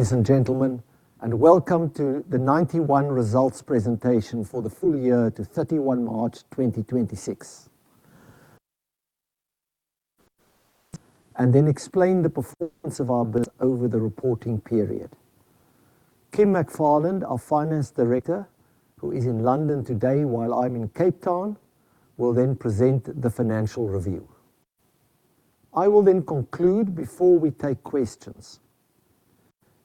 Ladies and gentlemen, welcome to the Ninety One results presentation for the full year to 31 March 2026. I will then explain the performance of our business over the reporting period. Kim McFarland, our Finance Director, who is in London today while I'm in Cape Town, will then present the financial review. I will then conclude before we take questions.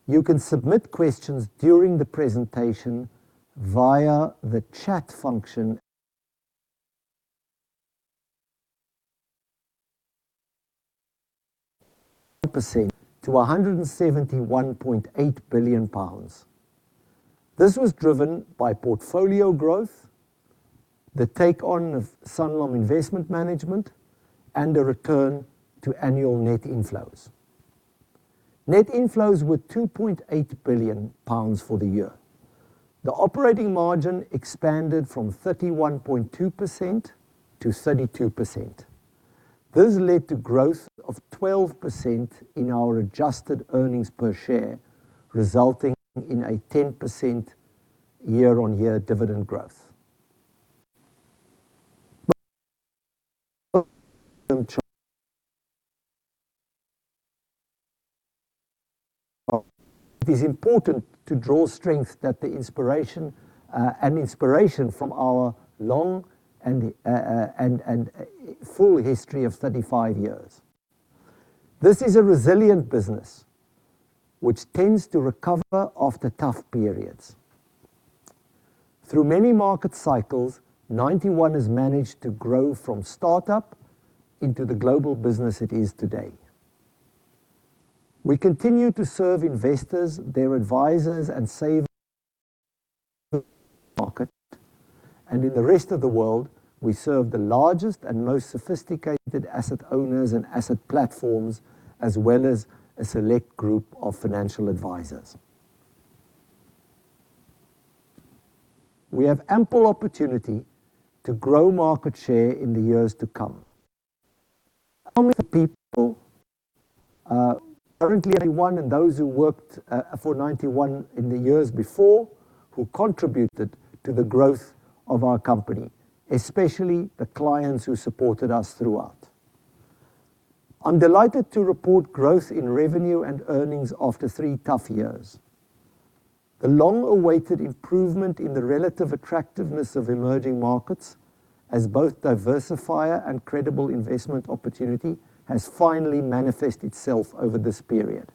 You can submit questions during the presentation via the chat function. Percent to 171.8 billion pounds. This was driven by portfolio growth, the take on of Sanlam Investment Management, and a return to annual net inflows. Net inflows were 2.8 billion pounds for the year. The operating margin expanded from 31.2% to 32%. This led to growth of 12% in our adjusted earnings per share, resulting in a 10% year-on-year dividend growth. It is important to draw strength that the inspiration from our long and full history of 35 years. This is a resilient business which tends to recover after tough periods. Through many market cycles, Ninety One has managed to grow from start-up into the global business it is today. We continue to serve investors, their advisors, and S.A. market. In the rest of the world, we serve the largest and most sophisticated asset owners and asset platforms, as well as a select group of financial advisors. We have ample opportunity to grow market share in the years to come. How many people, currently at Ninety One and those who worked for Ninety One in the years before, who contributed to the growth of our company, especially the clients who supported us throughout. I'm delighted to report growth in revenue and earnings after three tough years. The long-awaited improvement in the relative attractiveness of emerging markets as both diversifier and credible investment opportunity has finally manifest itself over this period.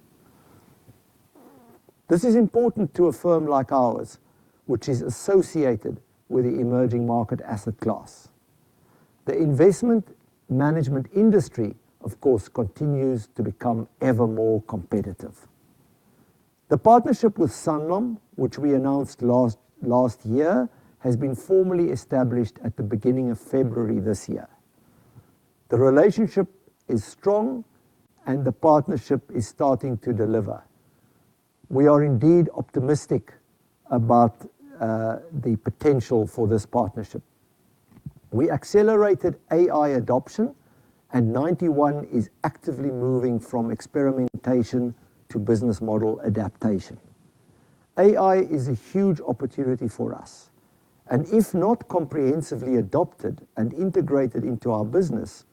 This is important to a firm like ours, which is associated with the emerging market asset class. The investment management industry, of course, continues to become ever more competitive. The partnership with Sanlam, which we announced last year, has been formally established at the beginning of February this year. The relationship is strong, and the partnership is starting to deliver. We are indeed optimistic about the potential for this partnership. We accelerated AI adoption, and Ninety One is actively moving from experimentation to business model adaptation. AI is a huge opportunity for us, and if not comprehensively adopted and integrated into our business,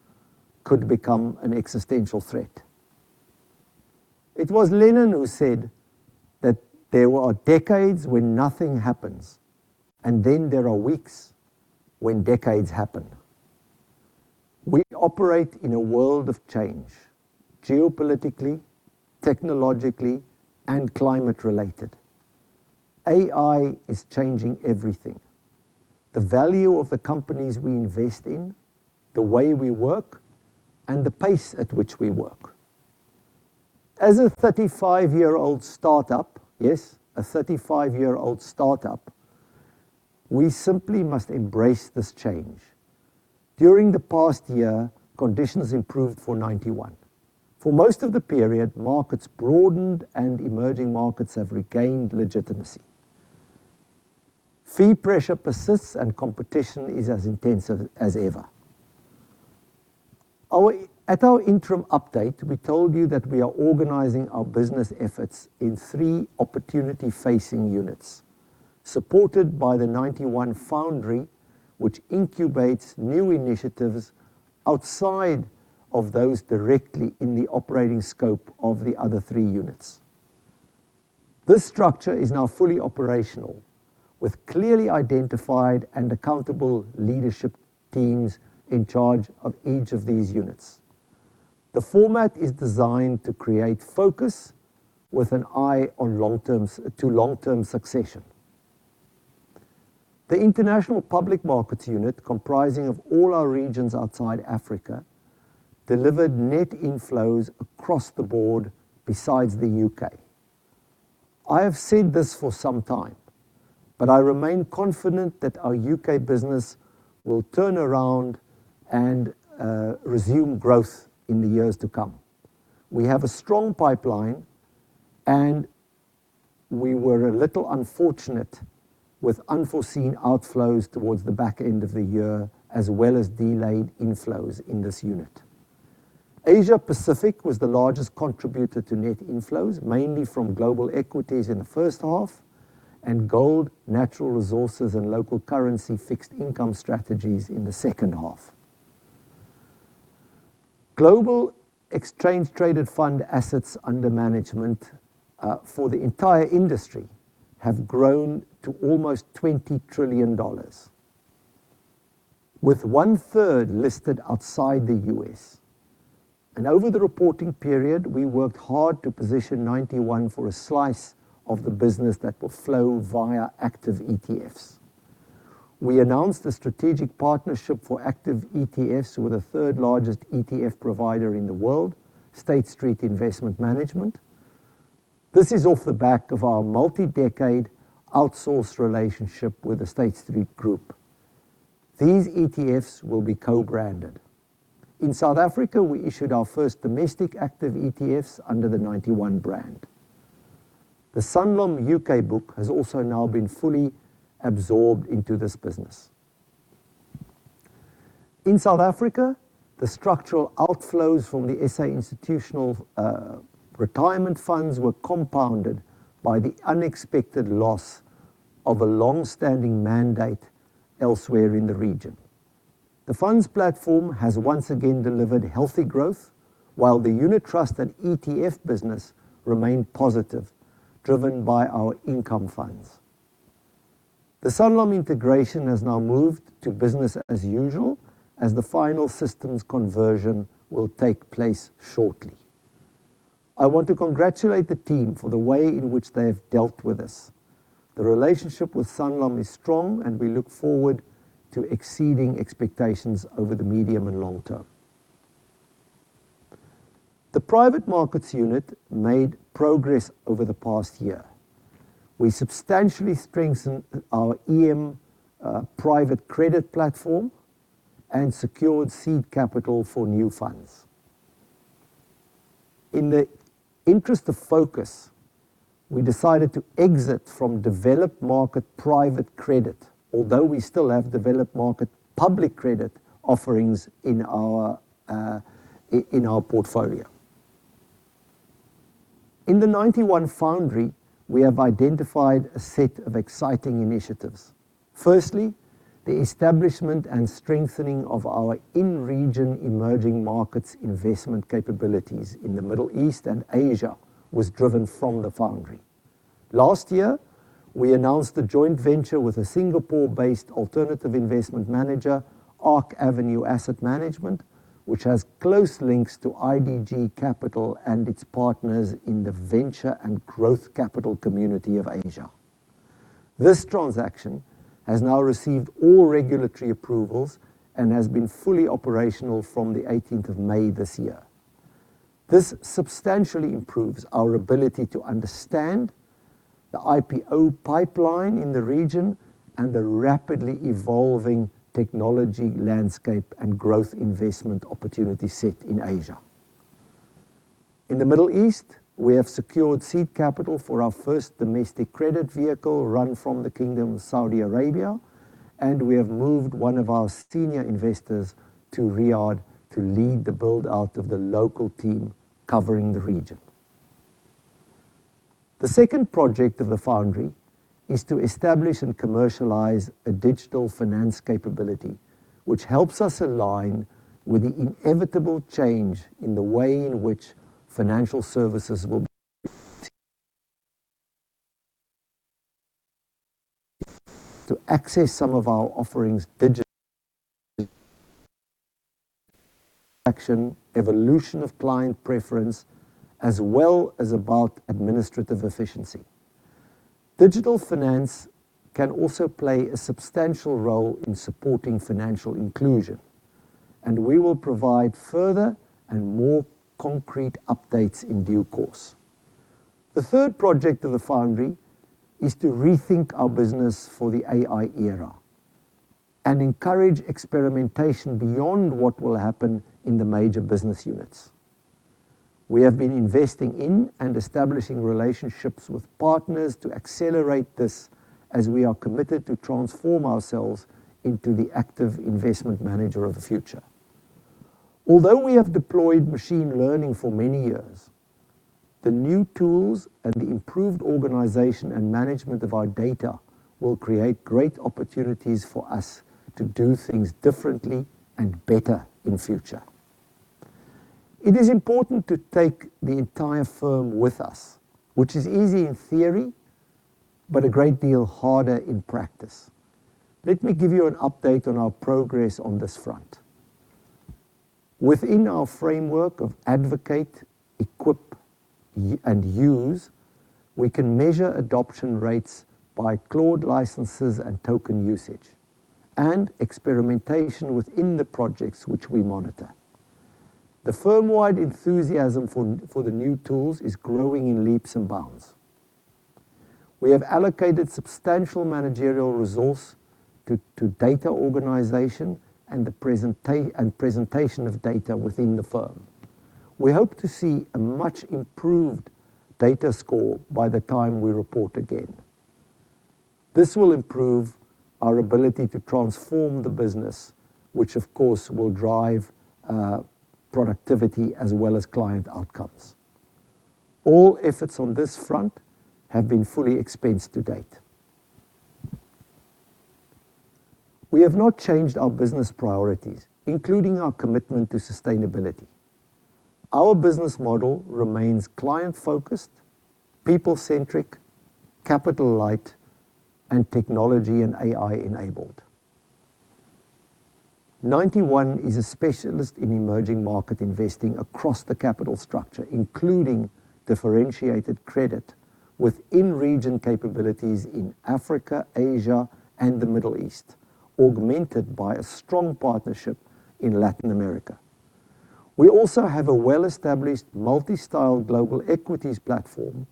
could become an existential threat. It was Lenin who said that there are decades when nothing happens, and then there are weeks when decades happen. We operate in a world of change, geopolitically, technologically, and climate related. AI is changing everything. The value of the companies we invest in, the way we work, and the pace at which we work. As a 35-year-old start-up, yes, a 35-year-old start-up, we simply must embrace this change. During the past year, conditions improved for Ninety One. For most of the period, markets broadened and emerging markets have regained legitimacy. Fee pressure persists, competition is as intensive as ever. At our interim update, we told you that we are organizing our business efforts in three opportunity-facing units, supported by the Ninety One Foundry, which incubates new initiatives outside of those directly in the operating scope of the other three units. This structure is now fully operational, with clearly identified and accountable leadership teams in charge of each of these units. The format is designed to create focus with an eye to long-term succession. The International Public Markets unit, comprising of all our regions outside Africa, delivered net inflows across the board besides the U.K. I have said this for some time, but I remain confident that our U.K. business will turn around and resume growth in the years to come. We have a strong pipeline. We were a little unfortunate with unforeseen outflows towards the back end of the year, as well as delayed inflows in this unit. Asia-Pacific was the largest contributor to net inflows, mainly from global equities in the first half and gold, natural resources, and local currency fixed income strategies in the second half. Global exchange-traded fund assets under management for the entire industry have grown to almost GBP 20 trillion, with one-third listed outside the U.S. Over the reporting period, we worked hard to position Ninety One for a slice of the business that will flow via active ETFs. We announced a strategic partnership for active ETFs with the third largest ETF provider in the world, State Street Investment Management. This is off the back of our multi-decade outsourced relationship with the State Street Group. These ETFs will be co-branded. In South Africa, we issued our first domestic active ETFs under the Ninety One brand. The Sanlam UK book has also now been fully absorbed into this business. In South Africa, the structural outflows from the S.A. institutional retirement funds were compounded by the unexpected loss of a longstanding mandate elsewhere in the region. The funds platform has once again delivered healthy growth, while the unit trust and ETF business remained positive, driven by our income funds. The Sanlam integration has now moved to business as usual, as the final systems conversion will take place shortly. I want to congratulate the team for the way in which they have dealt with this. The relationship with Sanlam is strong, and we look forward to exceeding expectations over the medium and long term. The private markets unit made progress over the past year. We substantially strengthened our EM private credit platform and secured seed capital for new funds. In the interest of focus, we decided to exit from developed market private credit, although we still have developed market public credit offerings in our portfolio. In The Ninety One Foundry, we have identified a set of exciting initiatives. The establishment and strengthening of our in-region emerging markets investment capabilities in the Middle East and Asia was driven from the Foundry. Last year, we announced a joint venture with a Singapore-based alternative investment manager, Arc Avenue Asset Management, which has close links to IDG Capital and its partners in the venture and growth capital community of Asia. This transaction has now received all regulatory approvals and has been fully operational from the 18th of May this year. This substantially improves our ability to understand the IPO pipeline in the region and the rapidly evolving technology landscape and growth investment opportunity set in Asia. In the Middle East, we have secured seed capital for our first domestic credit vehicle run from the Kingdom of Saudi Arabia, and we have moved one of our senior investors to Riyadh to lead the build-out of the local team covering the region. The second project of the Foundry is to establish and commercialize a digital finance capability, which helps us align with the inevitable change in the way in which financial services will access some of our offerings digital action, evolution of client preference, as well as administrative efficiency. Digital finance can also play a substantial role in supporting financial inclusion, and we will provide further and more concrete updates in due course. The third project of the Foundry is to rethink our business for the AI era and encourage experimentation beyond what will happen in the major business units. We have been investing in and establishing relationships with partners to accelerate this as we are committed to transform ourselves into the active investment manager of the future. Although we have deployed machine learning for many years, the new tools and the improved organization and management of our data will create great opportunities for us to do things differently and better in future. It is important to take the entire firm with us, which is easy in theory, but a great deal harder in practice. Let me give you an update on our progress on this front. Within our framework of advocate, equip, and use, we can measure adoption rates by Claude licenses and token usage and experimentation within the projects which we monitor. The firm-wide enthusiasm for the new tools is growing in leaps and bounds. We have allocated substantial managerial resource to data organization and presentation of data within the firm. We hope to see a much improved data score by the time we report again. This will improve our ability to transform the business, which of course will drive productivity as well as client outcomes. All efforts on this front have been fully expensed to date. We have not changed our business priorities, including our commitment to sustainability. Our business model remains client-focused, people-centric, capital light, and technology and AI enabled. Ninety One is a specialist in emerging market investing across the capital structure, including differentiated credit with in-region capabilities in Africa, Asia, and the Middle East, augmented by a strong partnership in Latin America. We also have a well-established multi-style global equities platform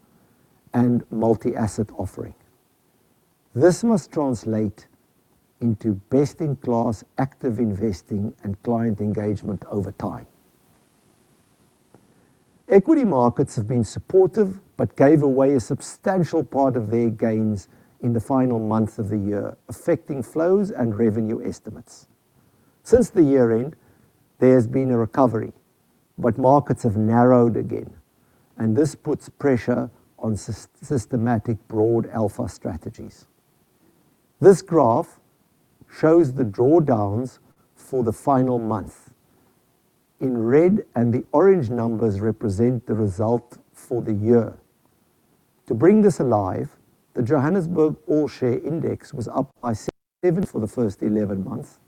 and multi-asset offering. This must translate into best-in-class active investing and client engagement over time. Equity markets have been supportive but gave away a substantial part of their gains in the final month of the year, affecting flows and revenue estimates. Since the year-end, there has been a recovery. Markets have narrowed again. This puts pressure on systematic broad alpha strategies. This graph shows the drawdowns for the final month in red. The orange numbers represent the result for the year. To bring this alive, the Johannesburg All-Share Index was up by 7% for the first 11 months,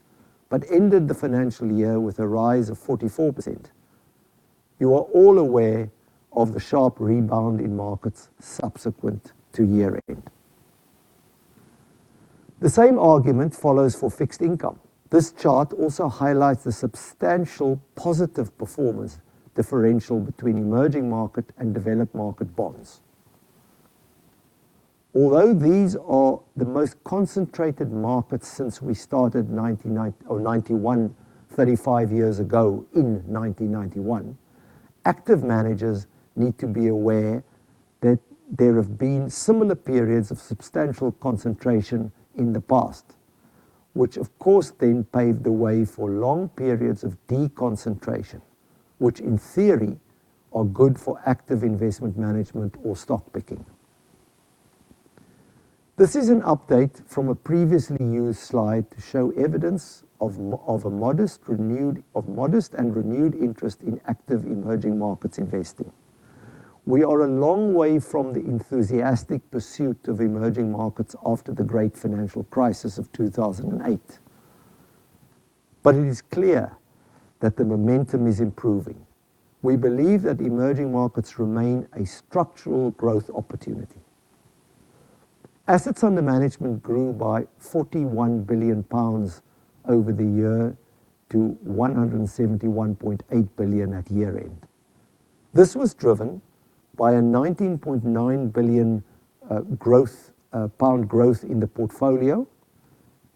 but ended the financial year with a rise of 44%. You are all aware of the sharp rebound in markets subsequent to year-end. The same argument follows for fixed income. This chart also highlights the substantial positive performance differential between emerging market and developed market bonds. Although these are the most concentrated markets since we started Ninety One 35 years ago in 1991, active managers need to be aware that there have been similar periods of substantial concentration in the past, which, of course, then paved the way for long periods of deconcentration, which in theory are good for active investment management or stock picking. This is an update from a previously used slide to show evidence of modest and renewed interest in active emerging markets investing. We are a long way from the enthusiastic pursuit of emerging markets after the great financial crisis of 2008. It is clear that the momentum is improving. We believe that emerging markets remain a structural growth opportunity. Assets under management grew by 41 billion pounds over the year to 171.8 billion at year-end. This was driven by a 19.9 billion pound growth in the portfolio,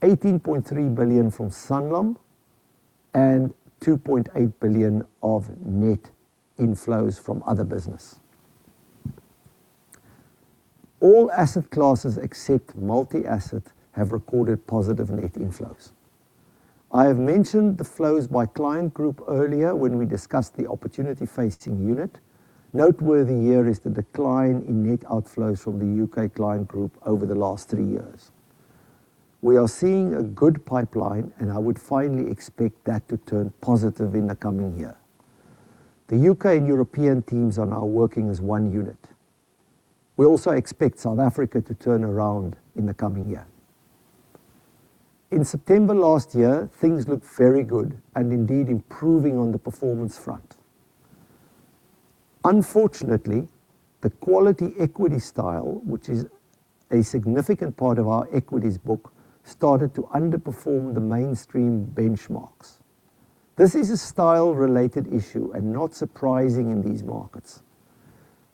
18.3 billion from Sanlam, and 2.8 billion of net inflows from other business. All asset classes except multi-asset have recorded positive net inflows. I have mentioned the flows by client group earlier when we discussed the opportunity facing unit. Noteworthy here is the decline in net outflows from the U.K. client group over the last three years. We are seeing a good pipeline, and I would finally expect that to turn positive in the coming year. The U.K. and European teams are now working as one unit. We also expect South Africa to turn around in the coming year. In September last year, things looked very good and indeed improving on the performance front. Unfortunately, the quality equity style, which is a significant part of our equities book, started to underperform the mainstream benchmarks. This is a style-related issue and not surprising in these markets.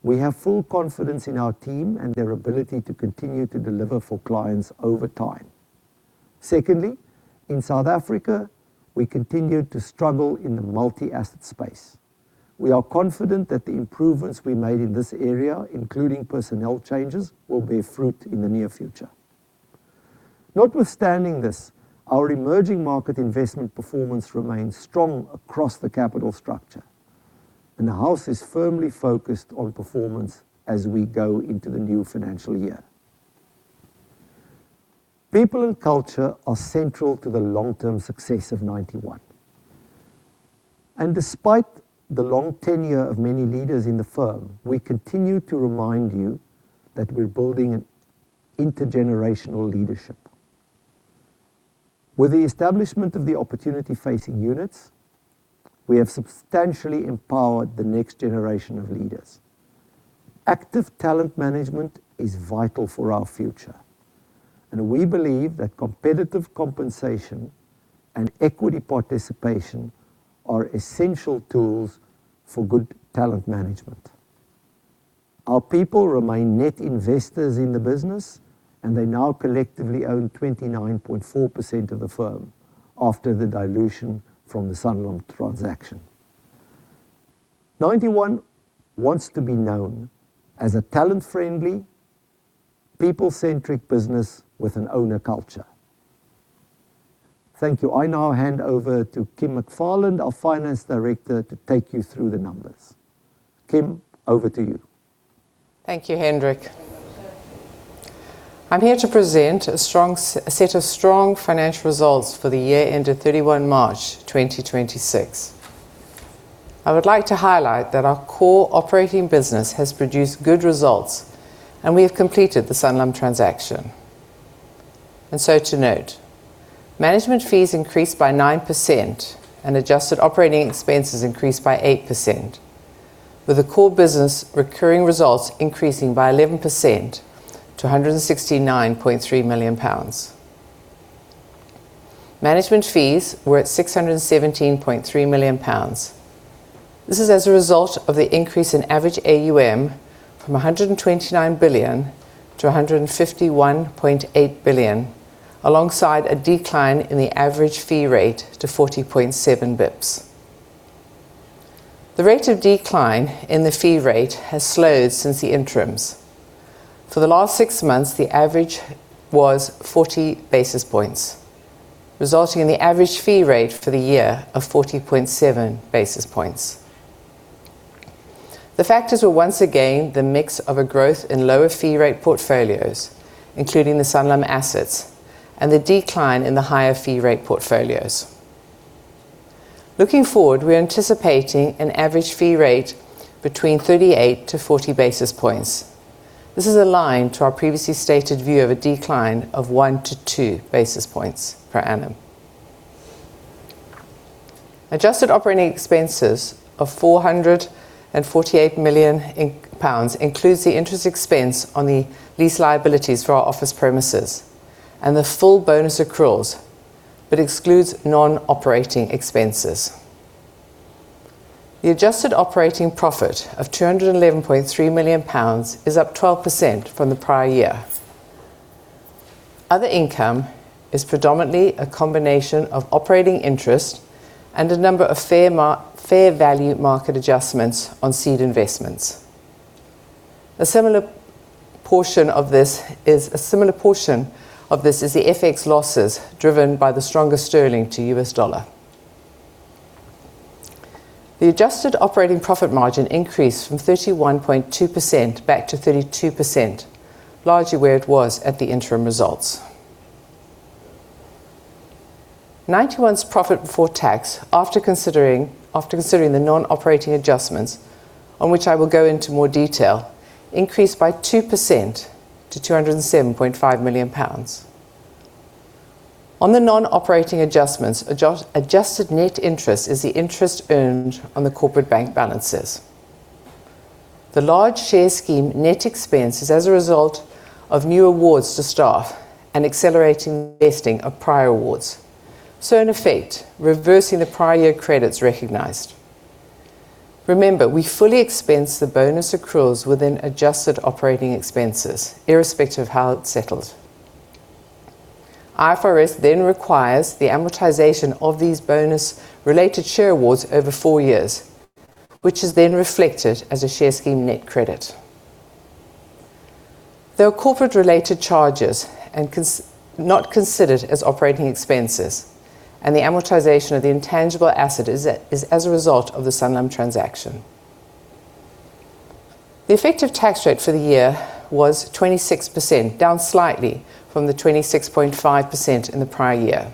We have full confidence in our team and their ability to continue to deliver for clients over time. Secondly, in South Africa, we continue to struggle in the multi-asset space. We are confident that the improvements we made in this area, including personnel changes, will bear fruit in the near future. Notwithstanding this, our emerging market investment performance remains strong across the capital structure, and the house is firmly focused on performance as we go into the new financial year. People and culture are central to the long-term success of Ninety One. Despite the long tenure of many leaders in the firm, we continue to remind you that we're building an intergenerational leadership. With the establishment of the opportunity facing units, we have substantially empowered the next generation of leaders. Active talent management is vital for our future, and we believe that competitive compensation and equity participation are essential tools for good talent management. Our people remain net investors in the business, and they now collectively own 29.4% of the firm after the dilution from the Sanlam transaction. Ninety One wants to be known as a talent-friendly, people-centric business with an owner culture. Thank you. I now hand over to Kim McFarland, our Finance Director, to take you through the numbers. Kim, over to you. Thank you, Hendrik. I am here to present a set of strong financial results for the year ended 31 March 2026. I would like to highlight that our core operating business has produced good results, and we have completed the Sanlam transaction. To note, management fees increased by 9% and adjusted operating expenses increased by 8%, with the core business recurring results increasing by 11% to 169.3 million pounds. Management fees were at 617.3 million pounds. This is as a result of the increase in average AUM from 129 billion to 151.8 billion, alongside a decline in the average fee rate to 40.7 bps. The rate of decline in the fee rate has slowed since the interims. For the last six months, the average was 40 basis points, resulting in the average fee rate for the year of 40.7 basis points. The factors were once again the mix of a growth in lower fee rate portfolios, including the Sanlam assets, and the decline in the higher fee rate portfolios. Looking forward, we're anticipating an average fee rate between 38-40 basis points. This is aligned to our previously stated view of a decline of one to two basis points per annum. Adjusted operating expenses of 448 million pounds includes the interest expense on the lease liabilities for our office premises and the full bonus accruals, but excludes non-operating expenses. The adjusted operating profit of 211.3 million pounds is up 12% from the prior year. Other income is predominantly a combination of operating interest and a number of fair value market adjustments on seed investments. A similar portion of this is the FX losses driven by the stronger sterling to U.S. dollar. The adjusted operating profit margin increased from 31.2% back to 32%, largely where it was at the interim results. Ninety One's profit before tax, after considering the non-operating adjustments, on which I will go into more detail, increased by 2% to 207.5 million pounds. On the non-operating adjustments, adjusted net interest is the interest earned on the corporate bank balances. The large share scheme net expense is as a result of new awards to staff and accelerating vesting of prior awards, so in effect, reversing the prior year credits recognized. Remember, we fully expense the bonus accruals within adjusted operating expenses irrespective of how it settles. IFRS requires the amortization of these bonus-related share awards over four years, which is then reflected as a share scheme net credit. There are corporate-related charges not considered as operating expenses. The amortization of the intangible asset is as a result of the Sanlam transaction. The effective tax rate for the year was 26%, down slightly from the 26.5% in the prior year.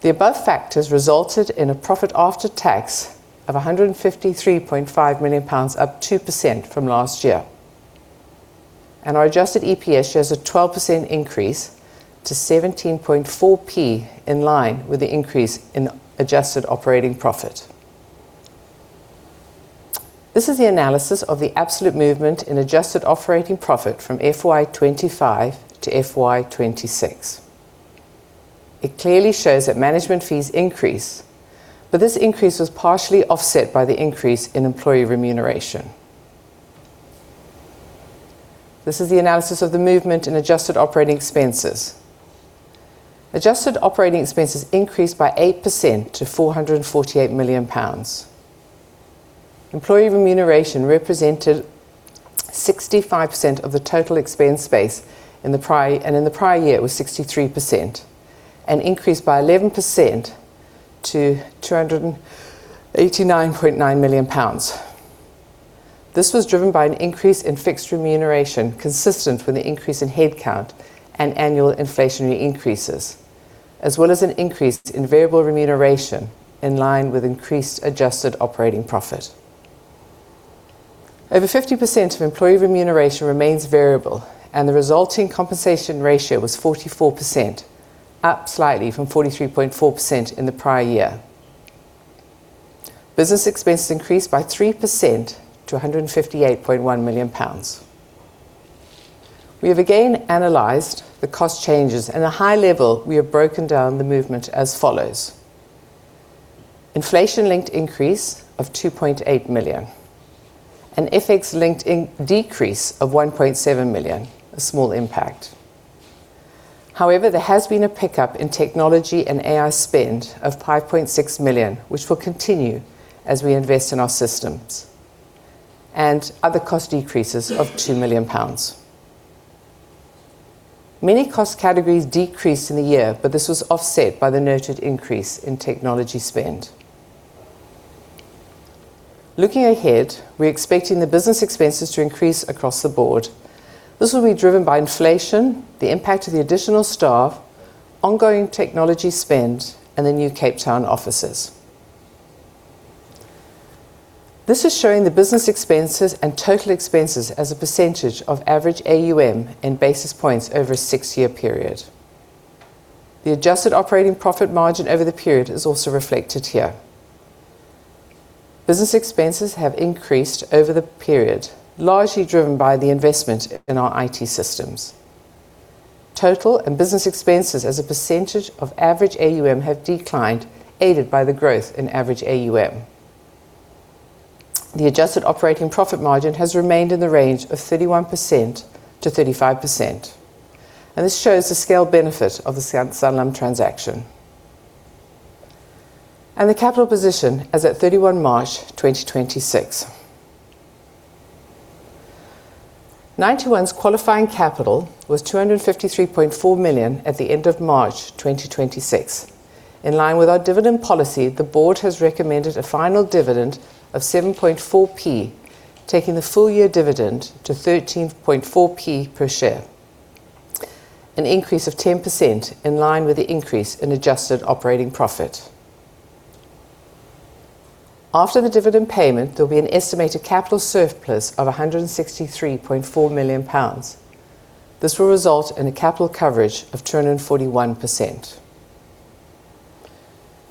The above factors resulted in a profit after tax of 153.5 million pounds, up 2% from last year. Our adjusted EPS shows a 12% increase to 0.174, in line with the increase in adjusted operating profit. This is the analysis of the absolute movement in adjusted operating profit from FY 2025 to FY 2026. It clearly shows that management fees increased, but this increase was partially offset by the increase in employee remuneration. This is the analysis of the movement in adjusted operating expenses. Adjusted operating expenses increased by 8% to 448 million pounds. Employee remuneration represented 65% of the total expense base, and in the prior year, it was 63%, and increased by 11% to 289.9 million pounds. This was driven by an increase in fixed remuneration consistent with the increase in headcount and annual inflationary increases, as well as an increase in variable remuneration in line with increased adjusted operating profit. Over 50% of employee remuneration remains variable, and the resulting compensation ratio was 44%, up slightly from 43.4% in the prior year. Business expenses increased by 3% to 158.1 million pounds. We have again analyzed the cost changes. At a high level, we have broken down the movement as follows. Inflation-linked increase of 2.8 million. An FX-linked decrease of 1.7 million, a small impact. However, there has been a pickup in technology and AI spend of 5.6 million, which will continue as we invest in our systems, and other cost decreases of 2 million pounds. Many cost categories decreased in the year, but this was offset by the noted increase in technology spend. Looking ahead, we're expecting the business expenses to increase across the board. This will be driven by inflation, the impact of the additional staff, ongoing technology spend, and the new Cape Town offices. This is showing the business expenses and total expenses as a percentage of average AUM and basis points over a six-year period. The adjusted operating profit margin over the period is also reflected here. Business expenses have increased over the period, largely driven by the investment in our IT systems. Total and business expenses as a percentage of average AUM have declined, aided by the growth in average AUM. The adjusted operating profit margin has remained in the range of 31%-35%, and this shows the scale benefit of the Sanlam transaction. The capital position as at 31 March 2026. Ninety One's qualifying capital was 253.4 million at the end of March 2026. In line with our dividend policy, the board has recommended a final dividend of 0.074, taking the full-year dividend to 0.134 per share, an increase of 10% in line with the increase in adjusted operating profit. After the dividend payment, there'll be an estimated capital surplus of 163.4 million pounds. This will result in a capital coverage of 241%.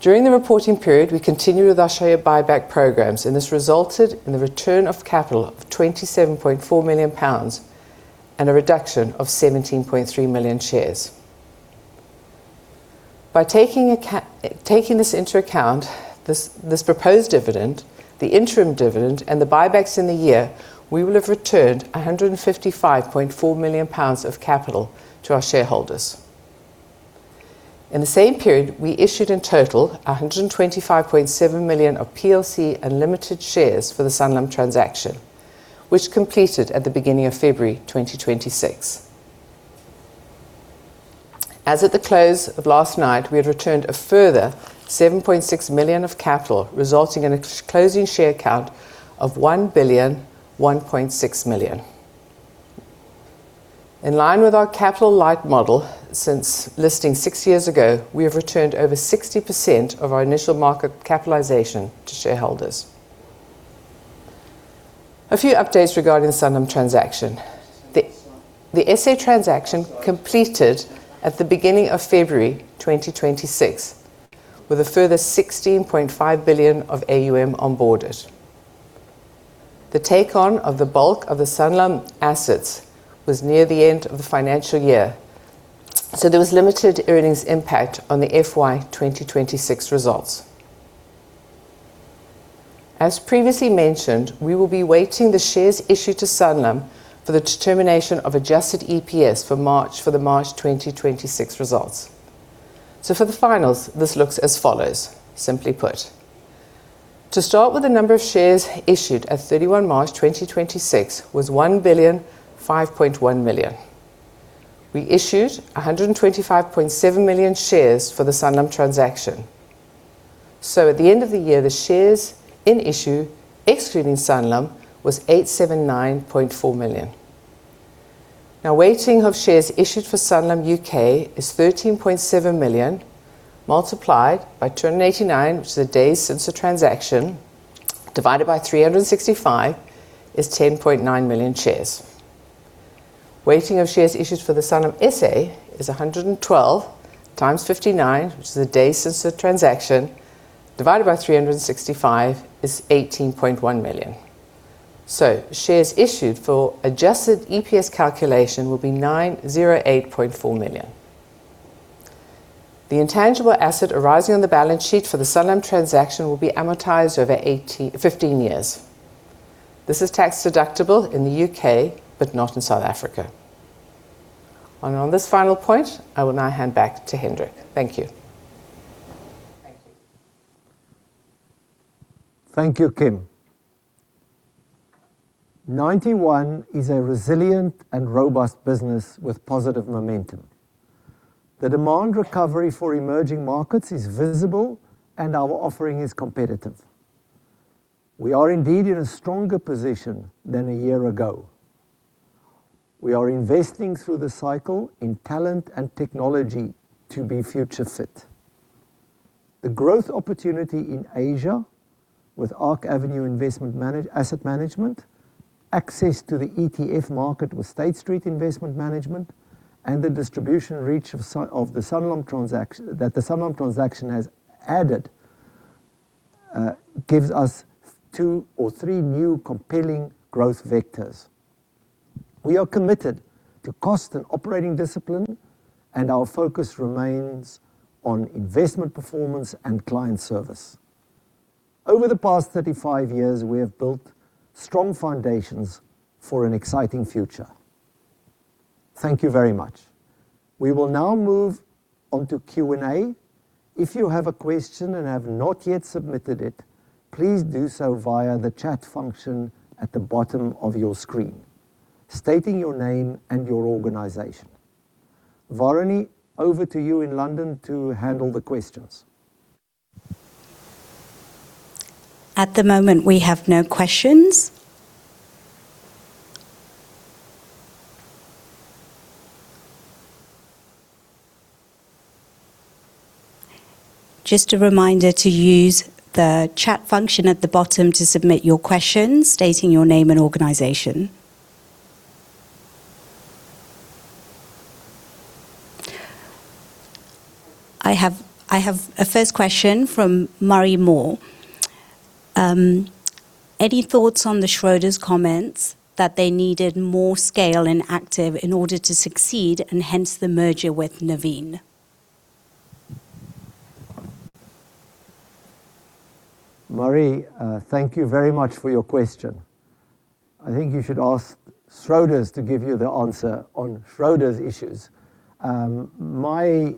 During the reporting period, we continued with our share buyback programs, and this resulted in the return of capital of 27.4 million pounds and a reduction of 17.3 million shares. By taking this into account, this proposed dividend, the interim dividend, and the buybacks in the year, we will have returned 155.4 million pounds of capital to our shareholders. In the same period, we issued in total 125.7 million of PLC and limited shares for the Sanlam transaction, which completed at the beginning of February 2026. As at the close of last night, we had returned a further 7.6 million of capital, resulting in a closing share count of 1,001.6 million. In line with our capital light model since listing six years ago, we have returned over 60% of our initial market capitalization to shareholders. A few updates regarding the Sanlam transaction. The SA transaction completed at the beginning of February 2026 with a further 16.5 billion of AUM onboarded. The take-on of the bulk of the Sanlam assets was near the end of the financial year, there was limited earnings impact on the FY 2026 results. As previously mentioned, we will be weighting the shares issued to Sanlam for the determination of adjusted EPS for the March 2026 results. For the finals, this looks as follows. Simply put. To start with the number of shares issued at 31 March 2026 was 1,005.1 million. We issued 125.7 million shares for the Sanlam transaction. At the end of the year, the shares in issue, excluding Sanlam, was 879.4 million. Weighting of shares issued for Sanlam UK is 13.7 million multiplied by 289, which is the days since the transaction, divided by 365 is 10.9 million shares. Weighting of shares issued for the Sanlam SA is 112 times 59, which is the days since the transaction, divided by 365 is 18.1 million. Shares issued for adjusted EPS calculation will be 908.4 million. The intangible asset arising on the balance sheet for the Sanlam transaction will be amortized over 15 years. This is tax deductible in the U.K. but not in South Africa. On this final point, I will now hand back to Hendrik. Thank you. Thank you. Thank you, Kim. Ninety One is a resilient and robust business with positive momentum. The demand recovery for emerging markets is visible, our offering is competitive. We are indeed in a stronger position than a year ago. We are investing through the cycle in talent and technology to be future fit. The growth opportunity in Asia with Arc Avenue Asset Management, access to the ETF market with State Street Investment Management, and the distribution reach that the Sanlam transaction has added gives us two or three new compelling growth vectors. We are committed to cost and operating discipline, our focus remains on investment performance and client service. Over the past 35 years, we have built strong foundations for an exciting future. Thank you very much. We will now move on to Q&A. If you have a question and have not yet submitted it, please do so via the chat function at the bottom of your screen, stating your name and your organization. Varuni, over to you in London to handle the questions. At the moment, we have no questions. Just a reminder to use the chat function at the bottom to submit your questions, stating your name and organization. I have a first question from Marie Moore. Any thoughts on the Schroders comments that they needed more scale in active in order to succeed, and hence the merger with Nuveen? Marie, thank you very much for your question. I think you should ask Schroders to give you the answer on Schroders' issues. My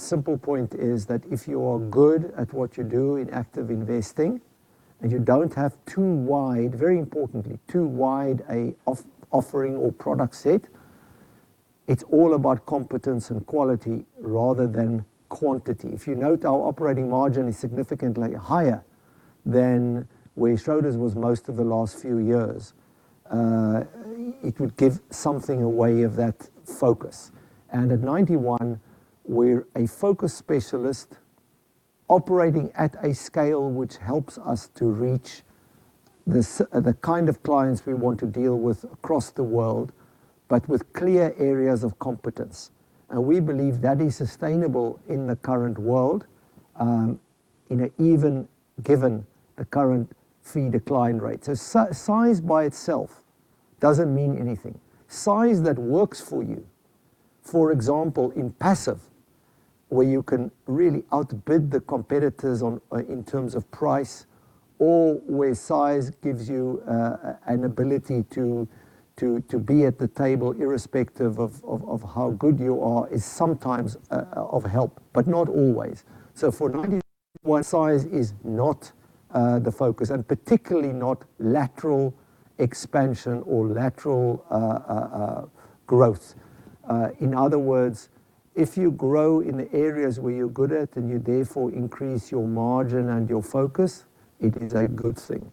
simple point is that if you are good at what you do in active investing, and you don't have, very importantly, too wide an offering or product set, it's all about competence and quality rather than quantity. If you note, our operating margin is significantly higher than where Schroders was most of the last few years. It would give something away of that focus. At Ninety One, we're a focus specialist operating at a scale which helps us to reach the kind of clients we want to deal with across the world, but with clear areas of competence. We believe that is sustainable in the current world, even given the current fee decline rate. Size by itself doesn't mean anything. Size that works for you, for example, in passive, where you can really outbid the competitors in terms of price, or where size gives you an ability to be at the table irrespective of how good you are, is sometimes of help, but not always. For Ninety One, size is not the focus, and particularly not lateral expansion or lateral growth. In other words, if you grow in the areas where you're good at, and you therefore increase your margin and your focus, it is a good thing.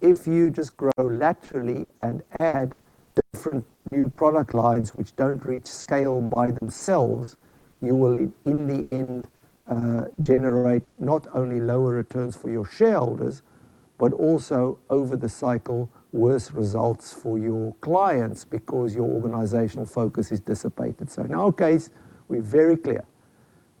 If you just grow laterally and add different new product lines which don't reach scale by themselves, you will, in the end, generate not only lower returns for your shareholders, but also over the cycle, worse results for your clients because your organizational focus is dissipated. In our case, we're very clear.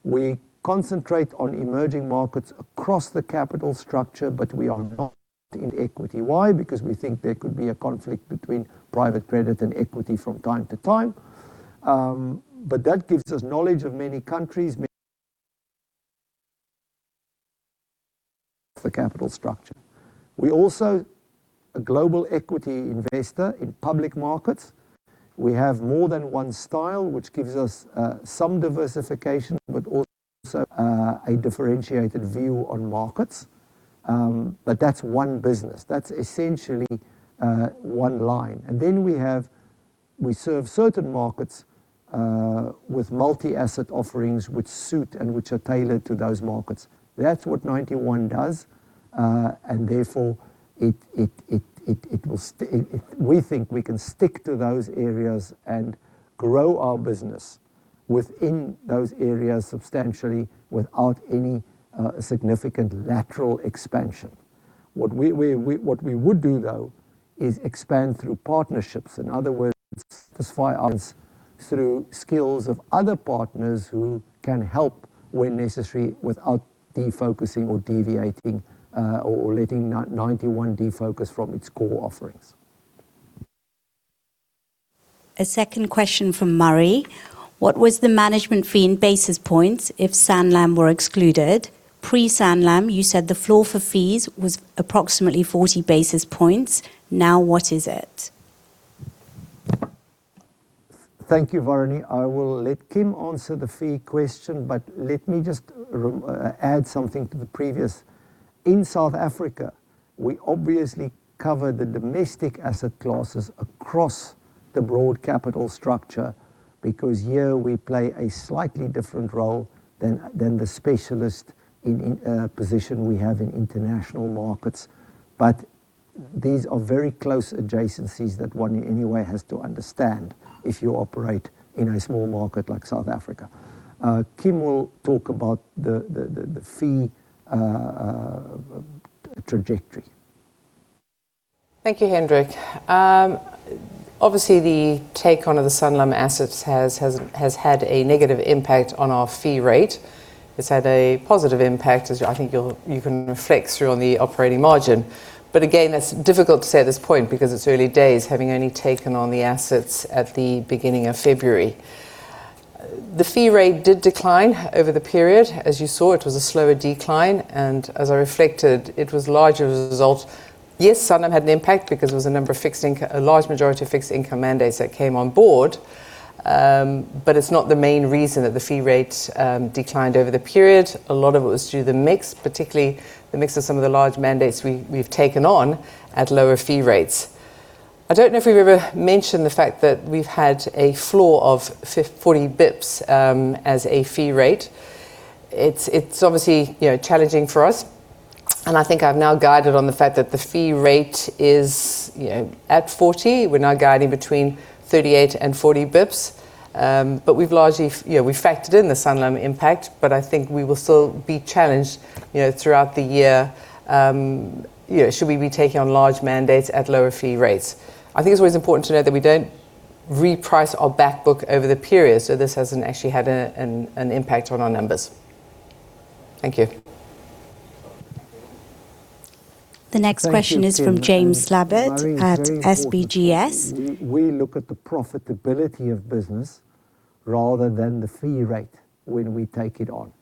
We concentrate on emerging markets across the capital structure, we are not in equity. Why? We think there could be a conflict between private credit and equity from time to time. That gives us knowledge of many countries, many the capital structure. We also are a global equity investor in public markets. We have more than one style, which gives us some diversification, but also a differentiated view on markets. That's one business. That's essentially one line. Then we have, we serve certain markets, with multi-asset offerings which suit and which are tailored to those markets. That's what Ninety One does. Therefore, we think we can stick to those areas and grow our business within those areas substantially without any significant lateral expansion. What we would do, though, is expand through partnerships. In other words, satisfy others through skills of other partners who can help when necessary, without defocusing or deviating, or letting Ninety One defocus from its core offerings. A second question from Marie. What was the management fee in basis points if Sanlam were excluded? Pre-Sanlam, you said the floor for fees was approximately 40 basis points. Now what is it? Thank you, Varuni. I will let Kim answer the fee question, but let me just add something to the previous. In South Africa, we obviously cover the domestic asset classes across the broad capital structure because here we play a slightly different role than the specialist position we have in international markets. These are very close adjacencies that one in any way has to understand if you operate in a small market like South Africa. Kim will talk about the fee trajectory. Thank you, Hendrik. Obviously, the take on of the Sanlam assets has had a negative impact on our fee rate. It's had a positive impact, as I think you can reflect through on the operating margin. Again, that's difficult to say at this point because it's early days, having only taken on the assets at the beginning of February. The fee rate did decline over the period. As you saw, it was a slower decline, and as I reflected, it was largely as a result. Yes, Sanlam had an impact because it was a large majority of fixed income mandates that came on board, but it's not the main reason that the fee rate declined over the period. A lot of it was through the mix, particularly the mix of some of the large mandates we've taken on at lower fee rates. I don't know if we've ever mentioned the fact that we've had a floor of 40 bps as a fee rate. It's obviously challenging for us, and I think I've now guided on the fact that the fee rate is at 40. We're now guiding between 38 and 40 bps. We've factored in the Sanlam impact, but I think we will still be challenged throughout the year, should we be taking on large mandates at lower fee rates. I think it's always important to note that we don't reprice our back book over the period. This hasn't actually had an impact on our numbers. Thank you. The next question is from James Slabbert at SBGS. We look at the profitability of business rather than the fee rate when we take it on.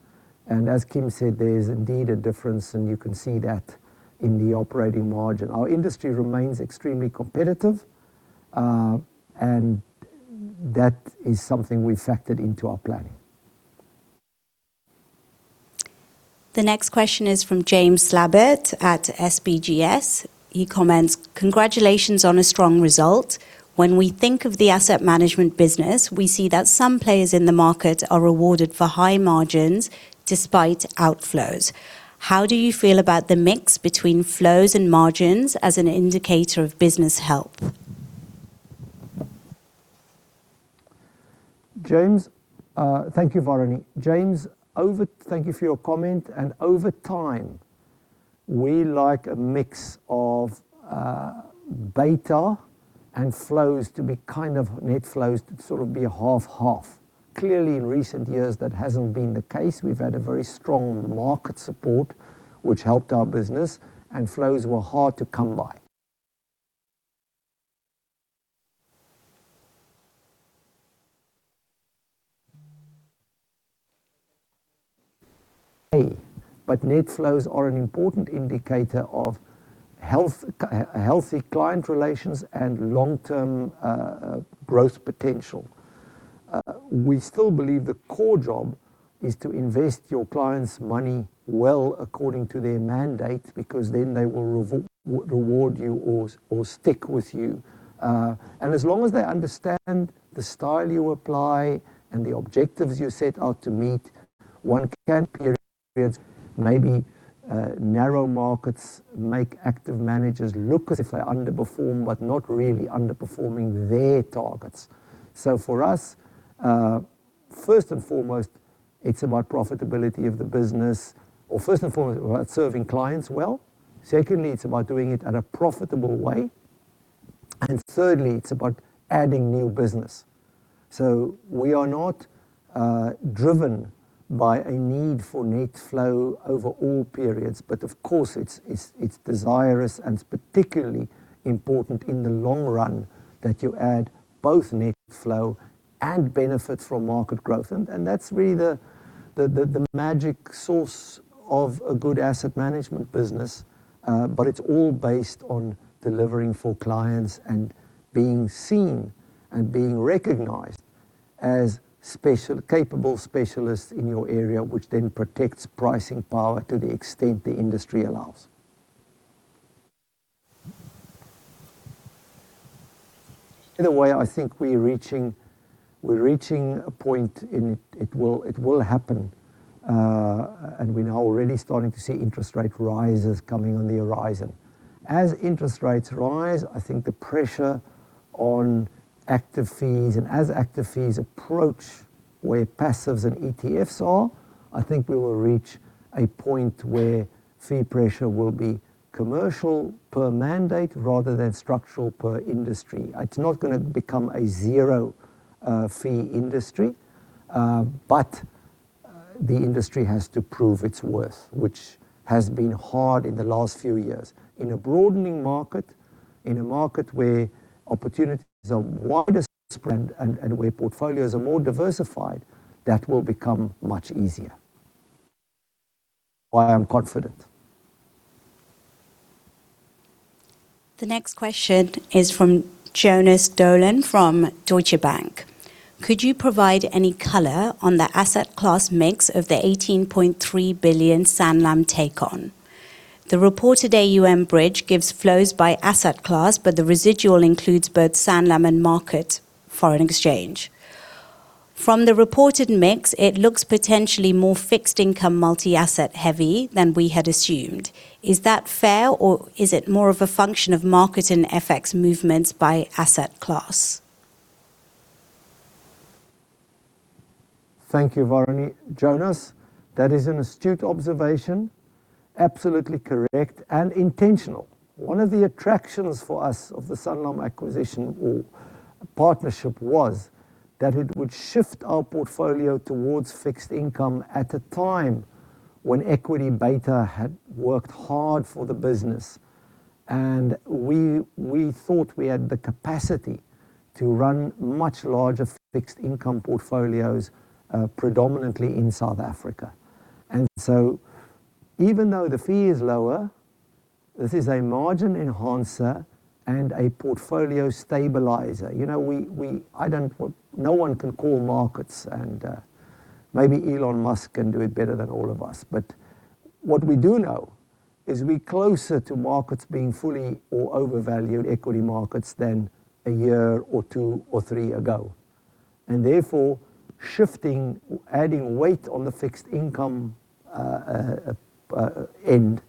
As Kim said, there is indeed a difference, and you can see that in the operating margin. Our industry remains extremely competitive, and that is something we've factored into our planning. The next question is from James Slabbert at SBGS. He comments, congratulations on a strong result. When we think of the asset management business, we see that some players in the market are rewarded for high margins despite outflows. How do you feel about the mix between flows and margins as an indicator of business health? Thank you, Varuni. James, thank you for your comment. Over time, we like a mix of beta and net flows to sort of be 50/50. Clearly, in recent years, that hasn't been the case. We've had a very strong market support, which helped our business, and flows were hard to come by. Net flows are an important indicator of healthy client relations and long-term growth potential. We still believe the core job is to invest your clients' money well according to their mandate, because then they will reward you or stick with you. As long as they understand the style you apply and the objectives you set out to meet, one can, maybe narrow markets make active managers look as if they underperform, but not really underperforming their targets. For us, first and foremost, it's about profitability of the business, or first and foremost, about serving clients well. Secondly, it's about doing it at a profitable way. Thirdly, it's about adding new business. We are not driven by a need for net flow over all periods, of course, it's desirous and particularly important in the long run that you add both net flow and benefits from market growth. That's really the magic source of a good asset management business. It's all based on delivering for clients and being seen and being recognized as capable specialists in your area, which then protects pricing power to the extent the industry allows. In a way, I think we're reaching a point and it will happen. We're now already starting to see interest rate rises coming on the horizon. As interest rates rise, I think the pressure on active fees, and as active fees approach where passives and ETFs are, I think we will reach a point where fee pressure will be commercial per mandate rather than structural per industry. It's not going to become a zero fee industry, but the industry has to prove its worth, which has been hard in the last few years. In a broadening market, in a market where opportunities are widespread and where portfolios are more diversified, that will become much easier. Why I'm confident. The next question is from Jonas Døhlen from Deutsche Bank. Could you provide any color on the asset class mix of the 18.3 billion Sanlam take-on? The reported AUM bridge gives flows by asset class, but the residual includes both Sanlam and market foreign exchange. From the reported mix, it looks potentially more fixed income multi-asset heavy than we had assumed. Is that fair, or is it more of a function of market and FX movements by asset class? Thank you, Varuni. Jonas that is an astute observation, absolutely correct, and intentional. One of the attractions for us of the Sanlam acquisition or partnership was that it would shift our portfolio towards fixed income at a time when equity beta had worked hard for the business. We thought we had the capacity to run much larger fixed income portfolios, predominantly in South Africa. Even though the fee is lower, this is a margin enhancer and a portfolio stabilizer. No one can call markets, and maybe Elon Musk can do it better than all of us. What we do know is we're closer to markets being fully or overvalued equity markets than a year or two or three ago. Therefore, shifting, adding weight on the fixed income end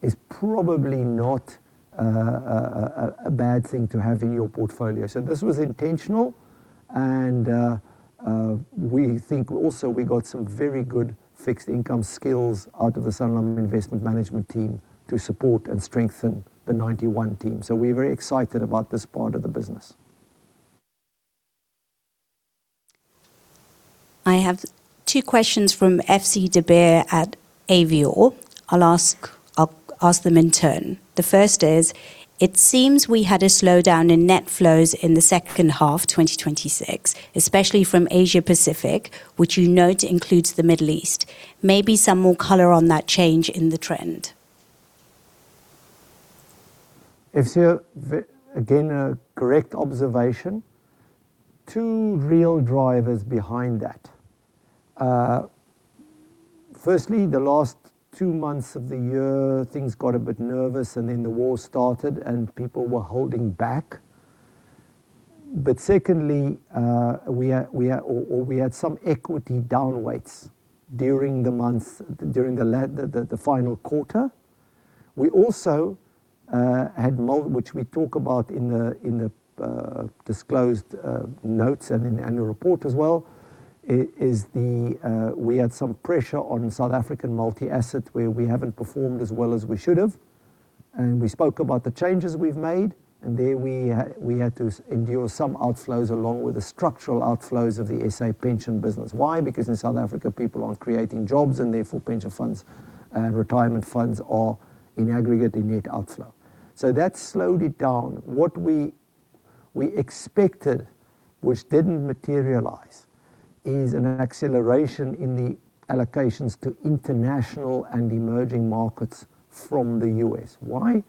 is probably not a bad thing to have in your portfolio. This was intentional, and we think also we got some very good fixed income skills out of the Sanlam Investment Management team to support and strengthen the Ninety One team. We're very excited about this part of the business. I have two questions from FC deBeer at Avior. I'll ask them in turn. The first is: It seems we had a slowdown in net flows in the second half 2026, especially from Asia Pacific, which you note includes the Middle East. Maybe some more color on that change in the trend. FC, again, a correct observation. Two real drivers behind that. Firstly, the last two months of the year, things got a bit nervous, and then the war started, and people were holding back. Secondly, we had some equity down weights during the final quarter. We also had, which we talk about in the disclosed notes and in the annual report as well, we had some pressure on South African multi-asset, where we haven't performed as well as we should have. We spoke about the changes we've made. There we had to endure some outflows along with the structural outflows of the SA pension business. Why? Because in South Africa, people aren't creating jobs, and therefore pension funds and retirement funds are, in aggregate, a net outflow. That slowed it down. What we expected, which didn't materialize, is an acceleration in the allocations to international and emerging markets from the U.S. Why?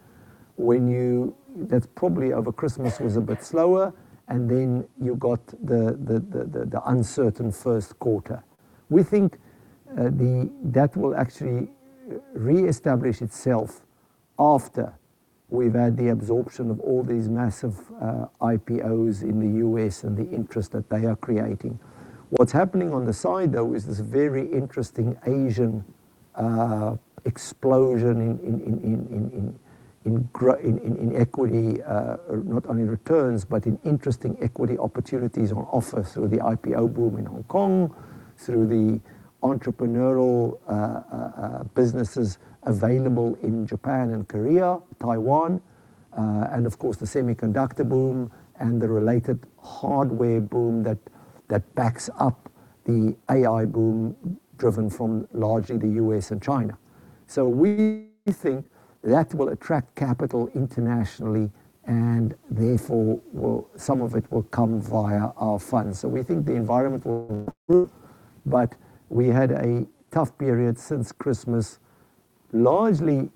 That probably over Christmas was a bit slower, and then you got the uncertain first quarter. We think that will actually reestablish itself after we've had the absorption of all these massive IPOs in the U.S. and the interest that they are creating. What's happening on the side, though, is this very interesting Asian explosion in equity, not only returns, but in interesting equity opportunities on offer. The IPO boom in Hong Kong, through the entrepreneurial businesses available in Japan and Korea, Taiwan, and of course, the semiconductor boom and the related hardware boom that backs up the AI boom driven from largely the U.S. and China. We think that will attract capital internationally, and therefore some of it will come via our funds. We think the environment will improve, but we had a tough period since Christmas, largely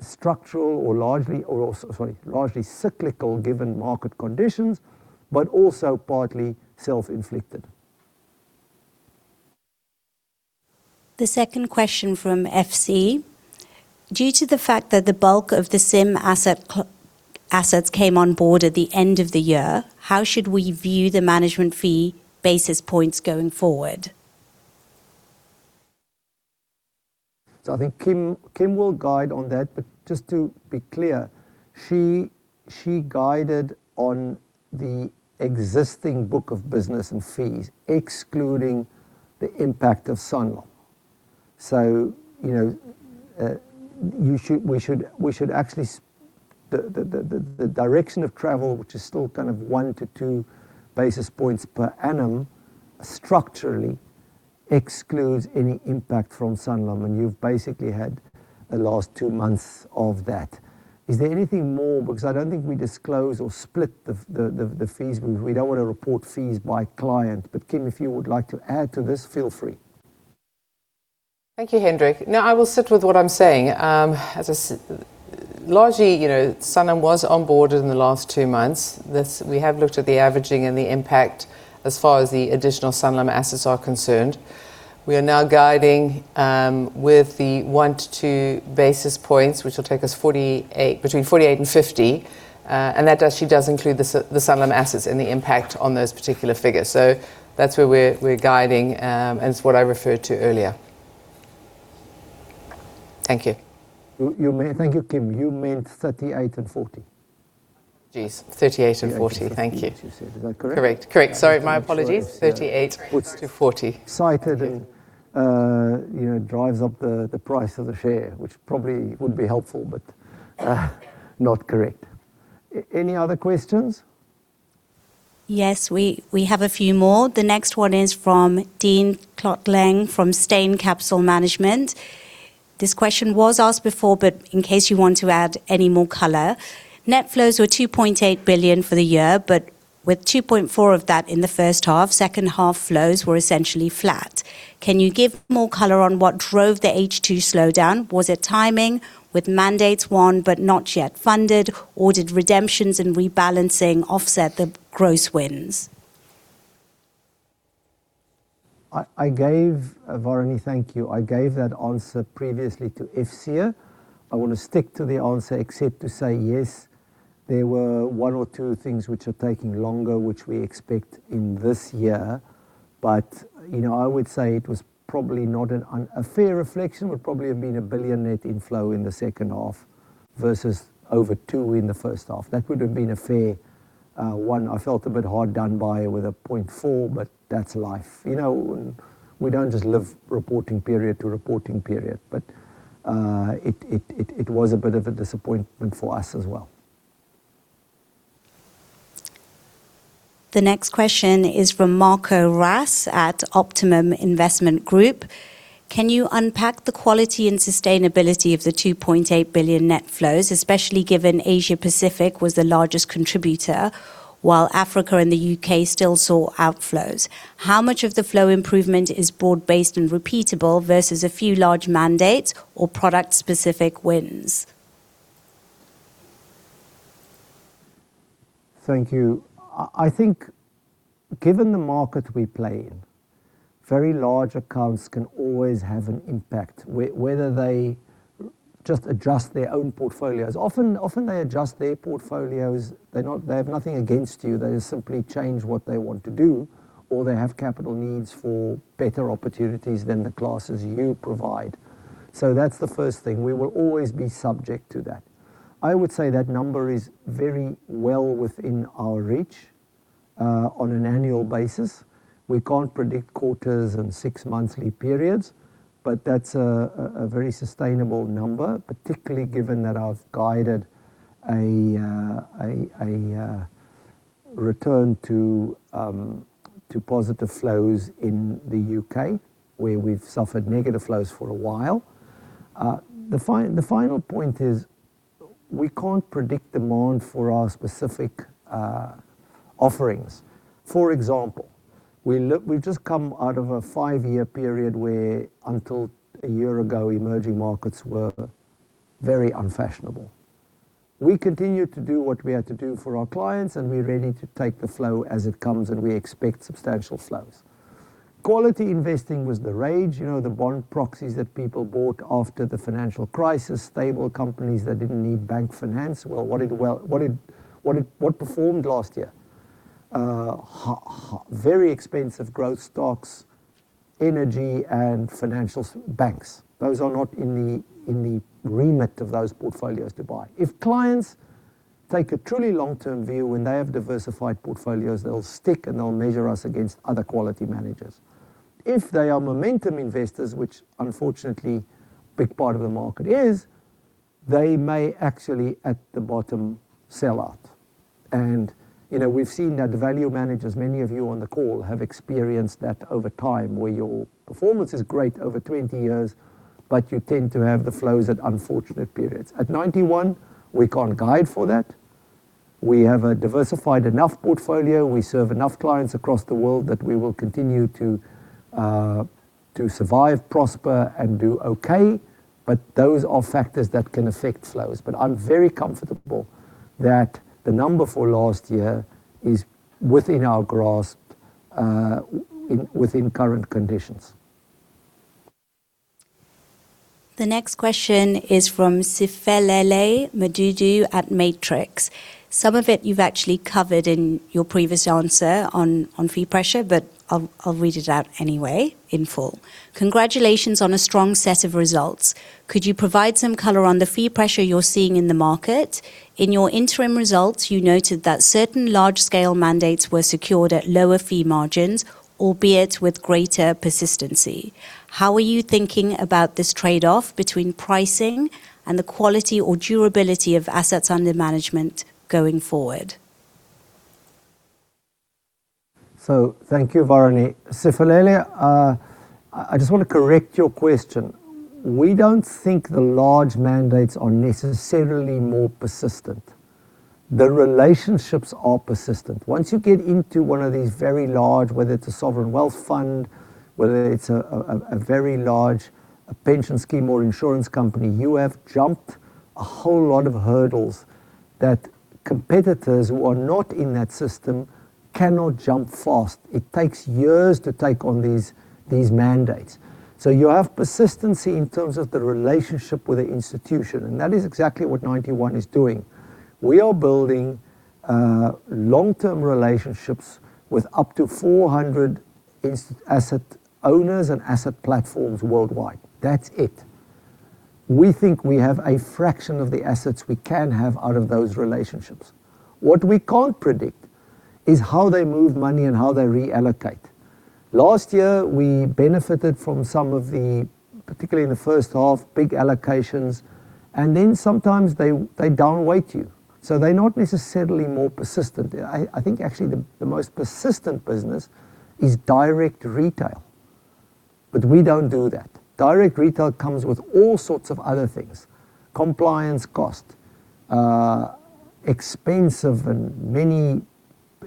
structural or largely, sorry, cyclical given market conditions, but also partly self-inflicted. The second question from FC: Due to the fact that the bulk of the SIM assets came on board at the end of the year, how should we view the management fee basis points going forward? I think Kim will guide on that. Just to be clear, she guided on the existing book of business and fees, excluding the impact of Sanlam. The direction of travel, which is still one to two basis points per annum, structurally excludes any impact from Sanlam. You've basically had the last two months of that. Is there anything more? I don't think we disclose or split the fees. We don't want to report fees by client. Kim, if you would like to add to this, feel free. Thank you, Hendrik. I will sit with what I'm saying. Largely, Sanlam was onboarded in the last two months. We have looked at the averaging and the impact as far as the additional Sanlam assets are concerned. We are now guiding with the 1-2 basis points, which will take us between 48 and 50. That actually does include the Sanlam assets and the impact on those particular figures. That's where we're guiding, and it's what I referred to earlier. Thank you. Thank you, Kim. You meant 38 and 40. Jeez, 38 and 40. 38 and 40. Thank you. You said. Is that correct? Correct. Sorry, my apologies. 38 to 40. Cited and drives up the price of the share, which probably would be helpful, but not correct. Any other questions? Yes, we have a few more. The next one is from Dean Tlotleng from Steyn Capital Management. This question was asked before, but in case you want to add any more color. Net flows were 2.8 billion for the year, but with 2.4 billion of that in the first half, second half flows were essentially flat. Can you give more color on what drove the H2 slowdown? Was it timing with mandates won but not yet funded, or did redemptions and rebalancing offset the gross wins? Varuni, thank you. I gave that answer previously to FCA. I want to stick to the answer except to say yes, there were one or two things which are taking longer, which we expect in this year. I would say a fair reflection would probably have been 1 billion net inflow in the second half versus over GBP two in the first half. That would have been a fair one. I felt a bit hard done by with a 0.4, that's life. We don't just live reporting period to reporting period, it was a bit of a disappointment for us as well. The next question is from Marko Ras at Optimum Investment Group. Can you unpack the quality and sustainability of the 2.8 billion net flows, especially given Asia-Pacific was the largest contributor, while Africa and the U.K. still saw outflows? How much of the flow improvement is broad-based and repeatable versus a few large mandates or product-specific wins? Thank you. I think given the market we play in, very large accounts can always have an impact. Whether they just adjust their own portfolios. Often, they adjust their portfolios. They have nothing against you. They simply change what they want to do, or they have capital needs for better opportunities than the classes you provide. That's the first thing. We will always be subject to that. I would say that number is very well within our reach on an annual basis. We can't predict quarters and six monthly periods, but that's a very sustainable number, particularly given that I've guided a return to positive flows in the U.K., where we've suffered negative flows for a while. The final point is we can't predict demand for our specific offerings. For example, we've just come out of a five-year period where, until a year ago, emerging markets were very unfashionable. We continued to do what we had to do for our clients, and we're ready to take the flow as it comes, and we expect substantial flows. Quality investing was the rage, the bond proxies that people bought after the financial crisis, stable companies that didn't need bank finance. Well, what performed last year? Very expensive growth stocks, energy, and financial banks. Those are not in the remit of those portfolios to buy. If clients take a truly long-term view and they have diversified portfolios, they'll stick, and they'll measure us against other quality managers. If they are momentum investors, which unfortunately big part of the market is, they may actually, at the bottom, sell out. We've seen that value managers, many of you on the call, have experienced that over time, where your performance is great over 20 years, but you tend to have the flows at unfortunate periods. At Ninety One, we can't guide for that. We have a diversified enough portfolio. We serve enough clients across the world that we will continue to survive, prosper, and do okay, but those are factors that can affect flows. I'm very comfortable that the number for last year is within our grasp within current conditions. The next question is from Siphelele Mdudu at Matrix. Some of it you've actually covered in your previous answer on fee pressure. I'll read it out anyway in full. Congratulations on a strong set of results. Could you provide some color on the fee pressure you're seeing in the market? In your interim results, you noted that certain large-scale mandates were secured at lower fee margins, albeit with greater persistency. How are you thinking about this trade-off between pricing and the quality or durability of assets under management going forward? Thank you, Varuni. Siphelele, I just want to correct your question. We don't think the large mandates are necessarily more persistent. The relationships are persistent. Once you get into one of these very large, whether it's a sovereign wealth fund, whether it's a very large pension scheme or insurance company, you have jumped a whole lot of hurdles that competitors who are not in that system cannot jump fast. It takes years to take on these mandates. You have persistency in terms of the relationship with the institution, and that is exactly what Ninety One is doing. We are building long-term relationships with up to 400 asset owners and asset platforms worldwide. That's it. We think we have a fraction of the assets we can have out of those relationships. What we can't predict is how they move money and how they reallocate. Last year, we benefited from some of the, particularly in the first half, big allocations, and then sometimes they down-weight you, so they're not necessarily more persistent. I think actually the most persistent business is direct retail. We don't do that. Direct retail comes with all sorts of other things, compliance cost, expensive and many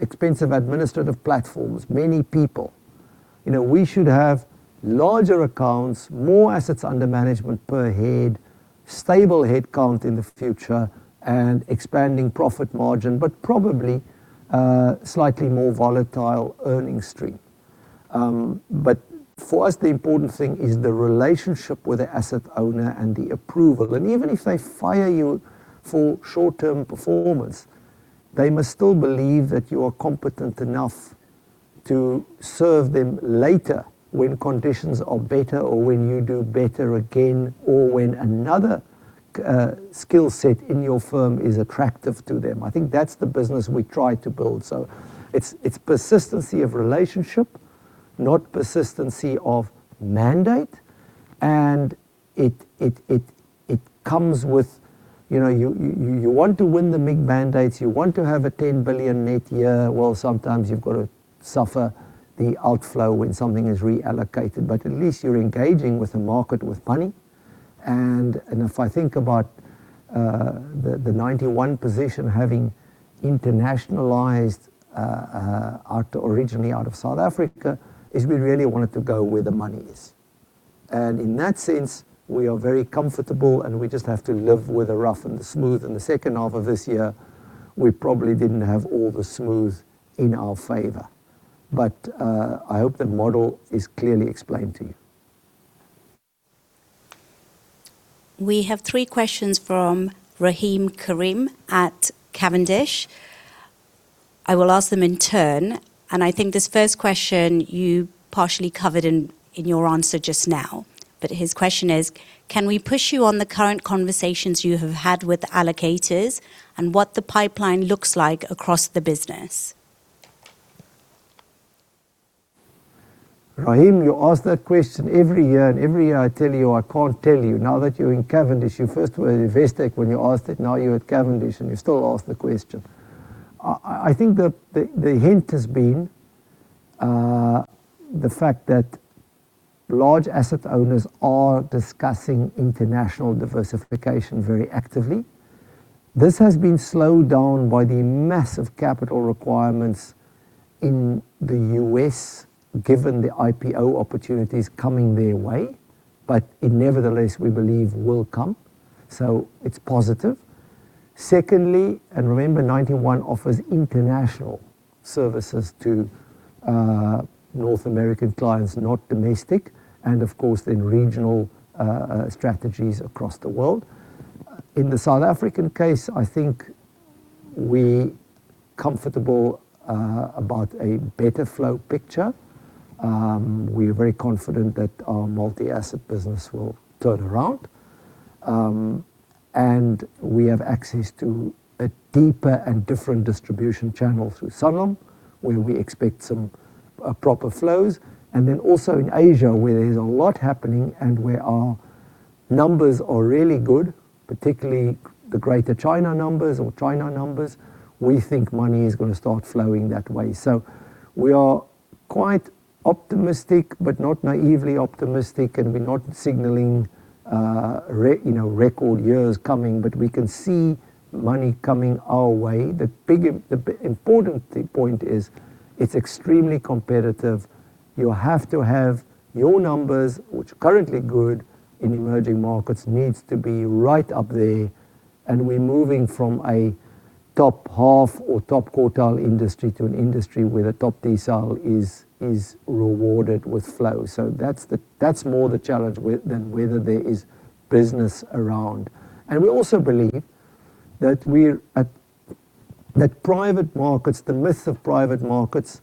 expensive administrative platforms, many people. We should have larger accounts, more assets under management per head, stable head count in the future, and expanding profit margin, but probably, slightly more volatile earning stream. For us, the important thing is the relationship with the asset owner and the approval. Even if they fire you for short-term performance, they must still believe that you are competent enough to serve them later when conditions are better or when you do better again, or when another skill set in your firm is attractive to them. I think that's the business we try to build. It's persistency of relationship, not persistency of mandate. It comes with, you want to win the big mandates, you want to have a 10 billion net year. Well, sometimes you've got to suffer the outflow when something is reallocated. At least you're engaging with the market with money. If I think about the Ninety One position, having internationalized originally out of South Africa, is we really wanted to go where the money is. In that sense, we are very comfortable, and we just have to live with the rough and the smooth. In the second half of this year, we probably didn't have all the smooth in our favor. I hope the model is clearly explained to you. We have three questions from Rahim Karim at Cavendish. I will ask them in turn, and I think this first question you partially covered in your answer just now, but his question is: Can we push you on the current conversations you have had with allocators and what the pipeline looks like across the business? Rahim, you ask that question every year, and every year I tell you I can't tell you. Now that you're in Cavendish, you first were at Investec when you asked it, now you're at Cavendish and you still ask the question. I think that the hint has been, the fact that large asset owners are discussing international diversification very actively. This has been slowed down by the massive capital requirements in the U.S., given the IPO opportunities coming their way, but it nevertheless, we believe, will come. It's positive. Secondly, remember, Ninety One offers international services to North American clients, not domestic, and of course then regional strategies across the world. In the South African case, I think we comfortable about a better flow picture. We are very confident that our multi-asset business will turn around. We have access to a deeper and different distribution channel through Sanlam, where we expect some proper flows. Also in Asia, where there's a lot happening and where our numbers are really good, particularly the Greater China numbers or China numbers. We think money is going to start flowing that way. We are quite optimistic, but not naively optimistic, and we're not signaling record years coming, but we can see money coming our way. The important point is it's extremely competitive. You have to have your numbers, which currently good in emerging markets, needs to be right up there. We're moving from a top half or top quartile industry to an industry where the top decile is rewarded with flow. That's more the challenge than whether there is business around. We also believe that private markets, the myth of private markets,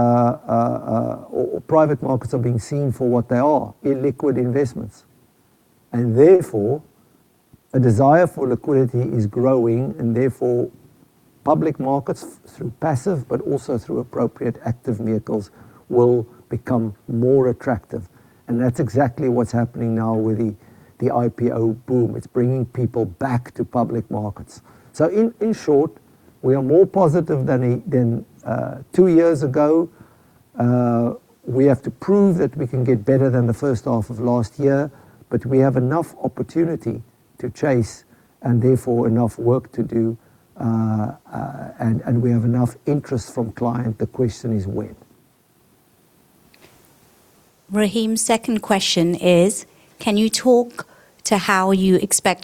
or private markets are being seen for what they are, illiquid investments. Therefore, a desire for liquidity is growing, and therefore public markets, through passive, but also through appropriate active vehicles, will become more attractive. That's exactly what's happening now with the IPO boom. It's bringing people back to public markets. In short, we are more positive than two years ago. We have to prove that we can get better than the first half of last year, but we have enough opportunity to chase and therefore enough work to do, and we have enough interest from client. The question is when. Rahim's second question is: Can you talk to how you expect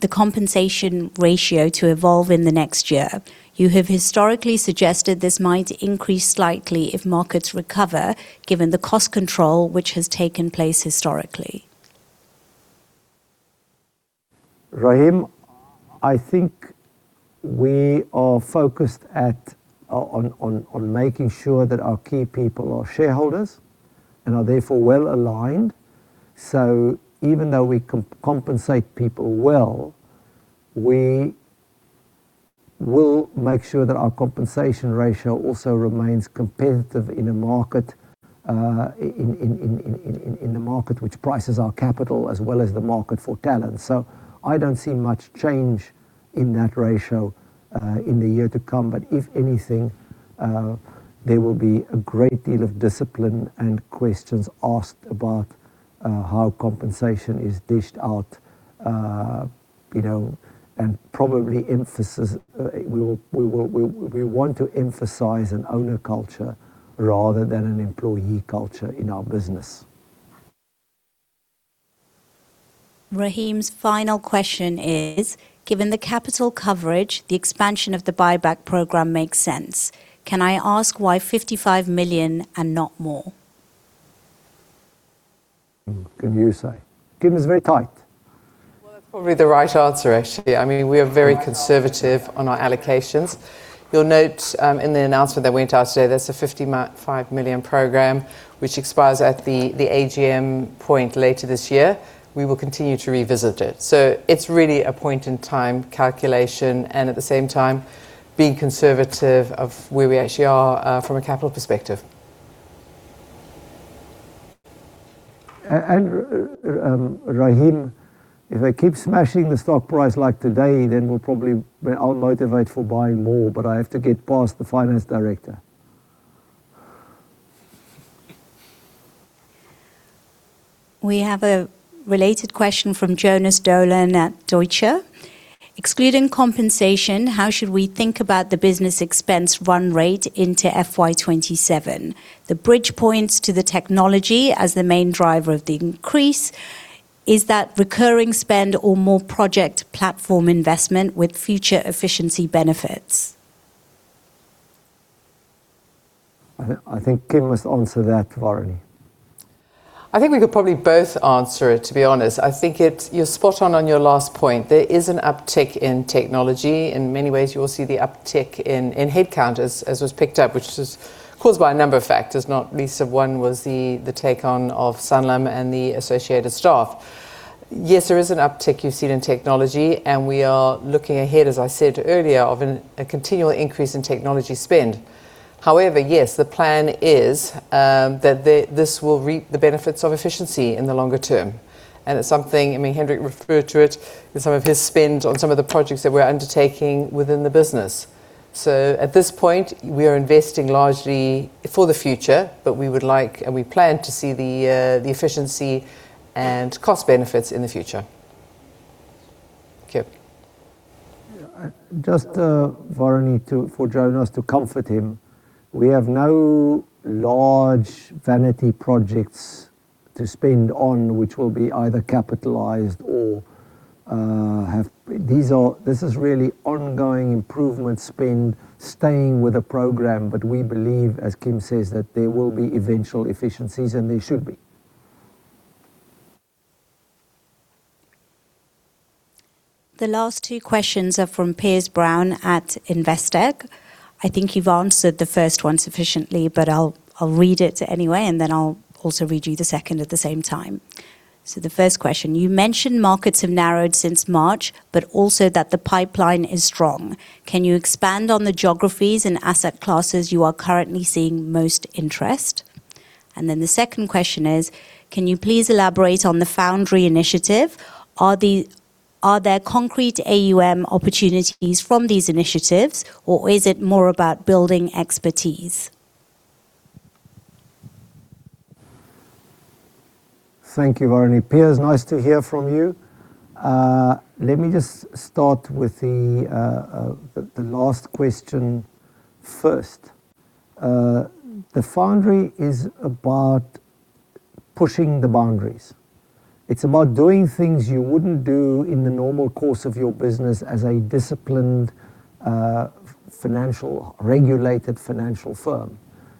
the compensation ratio to evolve in the next year? You have historically suggested this might increase slightly if markets recover, given the cost control which has taken place historically. Rahim, I think we are focused on making sure that our key people are shareholders and are therefore well-aligned. Even though we compensate people well, we will make sure that our compensation ratio also remains competitive in the market which prices our capital, as well as the market for talent. I don't see much change in that ratio in the year to come. If anything, there will be a great deal of discipline and questions asked about how compensation is dished out. Probably, we want to emphasize an owner culture rather than an employee culture in our business. Rahim's final question is: Given the capital coverage, the expansion of the buyback program makes sense. Can I ask why 55 million and not more? Kim, you say. Kim, it's very tight. Well, that's probably the right answer, actually. We are very conservative on our allocations. You'll note in the announcement that went out today, there's a 55 million program which expires at the AGM point later this year. We will continue to revisit it. It's really a point-in-time calculation, and at the same time, being conservative of where we actually are from a capital perspective. Rahim, if they keep smashing the stock price like today, we'll probably be out motivated for buying more. I have to get past the Finance Director. We have a related question from Jonas Døhlen at Deutsche. Excluding compensation, how should we think about the business expense run rate into FY 2027? The bridge points to the technology as the main driver of the increase. Is that recurring spend or more project platform investment with future efficiency benefits? I think Kim must answer that, Varuni. I think we could probably both answer it, to be honest. I think you're spot on your last point. There is an uptick in technology. In many ways, you will see the uptick in head count as was picked up, which is caused by a number of factors, not least of one was the take-on of Sanlam and the associated staff. Yes, there is an uptick you've seen in technology, and we are looking ahead, as I said earlier, of a continual increase in technology spend. However, yes, the plan is that this will reap the benefits of efficiency in the longer term. And it's something, Hendrik referred to it in some of his spend on some of the projects that we're undertaking within the business. At this point, we are investing largely for the future, but we would like, and we plan to see the efficiency and cost benefits in the future. Kim. Just Varuni, for Jonas, to comfort him. We have no large vanity projects to spend on, which will be either capitalized. This is really ongoing improvement spend staying with the program. We believe, as Kim says, that there will be eventual efficiencies, and there should be. The last two questions are from Piers Brown at Investec. I think you've answered the first one sufficiently, but I'll read it anyway, and then I'll also read you the second at the same time. The first question. You mentioned markets have narrowed since March, but also that the pipeline is strong. Can you expand on the geographies and asset classes you are currently seeing most interest? The second question is: Can you please elaborate on the Foundry initiative? Are there concrete AUM opportunities from these initiatives, or is it more about building expertise? Thank you, Varuni. Piers, nice to hear from you. Let me just start with the last question first. The Foundry is about pushing the boundaries. It's about doing things you wouldn't do in the normal course of your business as a disciplined, regulated financial firm.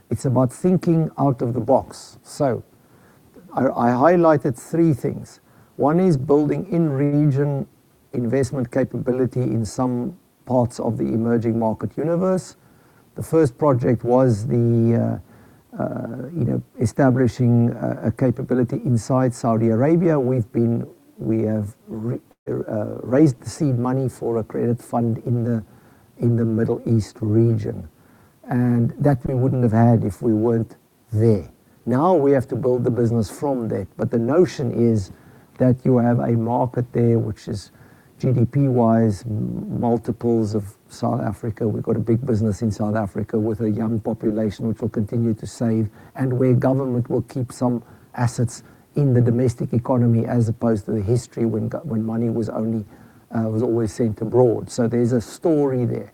It's about thinking out of the box. I highlighted three things. One is building in-region investment capability in some parts of the emerging market universe. The first project was establishing a capability inside Saudi Arabia. We have raised the seed money for a credit fund in the Middle East region. That we wouldn't have had if we weren't there. Now we have to build the business from that. The notion is that you have a market there which is GDP-wise, multiples of South Africa. We've got a big business in South Africa with a young population which will continue to save, and where government will keep some assets in the domestic economy as opposed to the history when money was always sent abroad. There's a story there.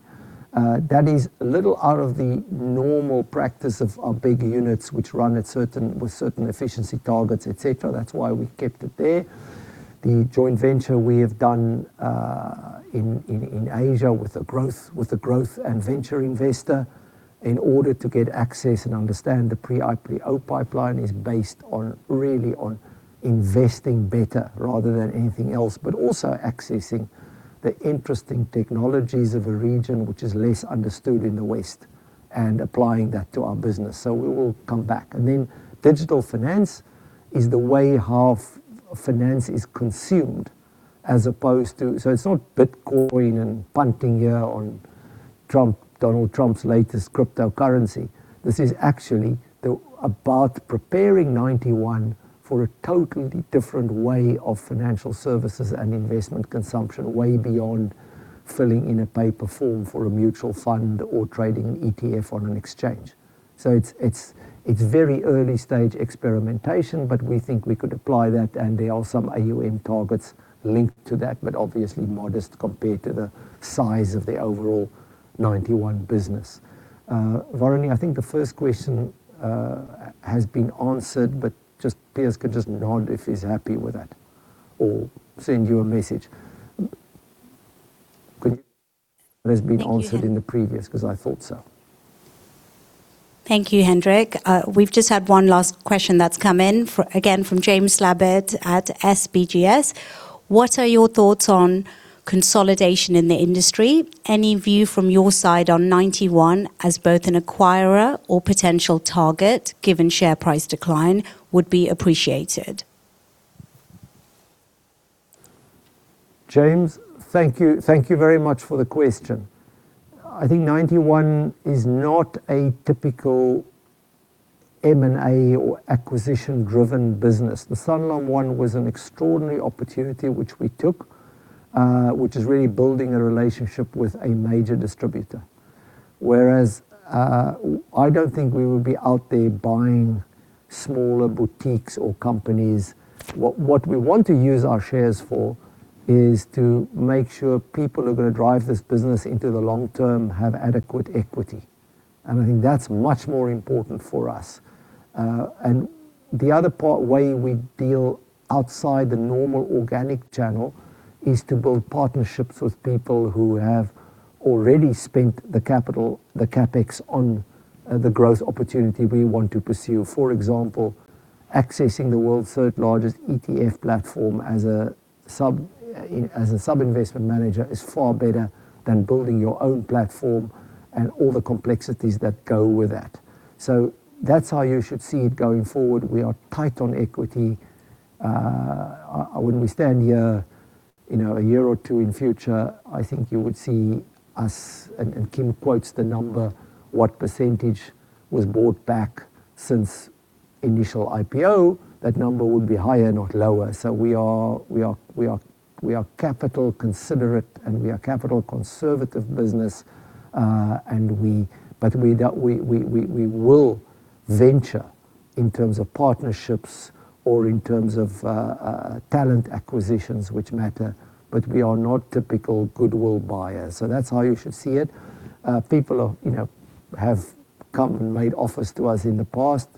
That is a little out of the normal practice of our bigger units, which run with certain efficiency targets, et cetera. That's why we kept it there. The joint venture we have done in Asia with the growth and venture investor in order to get access and understand the pre-IPO pipeline is based really on investing better rather than anything else, but also accessing the interesting technologies of a region which is less understood in the West and applying that to our business. We will come back. Digital finance is the way half of finance is consumed. It's not Bitcoin and punting here on Donald Trump's latest cryptocurrency. This is actually about preparing Ninety One for a totally different way of financial services and investment consumption way beyond filling in a paper form for a mutual fund or trading an ETF on an exchange. It's very early-stage experimentation, but we think we could apply that, and there are some AUM targets linked to that, but obviously modest compared to the size of the overall Ninety One business. Varuni, I think the first question has been answered, but Piers could just nod if he's happy with that or send you a message. Thank you. In the previous, because I thought so. Thank you, Hendrik. We've just had one last question that's come in, again, from James Slabbert at SBGS. What are your thoughts on consolidation in the industry? Any view from your side on Ninety One as both an acquirer or potential target given share price decline would be appreciated. James, thank you very much for the question. I think Ninety One is not a typical M&A or acquisition-driven business. The Sanlam one was an extraordinary opportunity which we took, which is really building a relationship with a major distributor. I don't think we would be out there buying smaller boutiques or companies. What we want to use our shares for is to make sure people who are going to drive this business into the long term have adequate equity, and I think that's much more important for us. The other way we deal outside the normal organic channel is to build partnerships with people who have already spent the capital, the CapEx on the growth opportunity we want to pursue. For example, accessing the world's third-largest ETF platform as a sub-investment manager is far better than building your own platform and all the complexities that go with that. That's how you should see it going forward. We are tight on equity. When we stand here in a year or two in future, I think you would see us, and Kim quotes the number, what % was bought back since initial IPO, that number would be higher, not lower. We are capital considerate, and we are a capital conservative business. We will venture in terms of partnerships or in terms of talent acquisitions which matter, but we are not typical goodwill buyers. That's how you should see it. People have come and made offers to us in the past.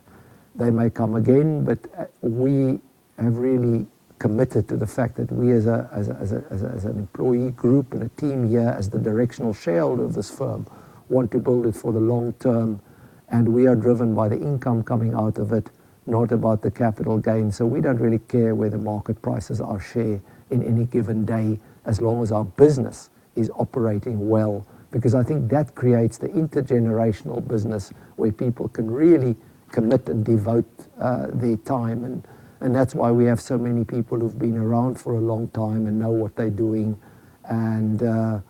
They may come again, we have really committed to the fact that we as an employee group and a team here, as the directional shareholder of this firm, want to build it for the long term, and we are driven by the income coming out of it, not about the capital gain. We don't really care where the market prices our share in any given day, as long as our business is operating well. I think that creates the intergenerational business where people can really commit and devote their time, and that's why we have so many people who've been around for a long time and know what they're doing and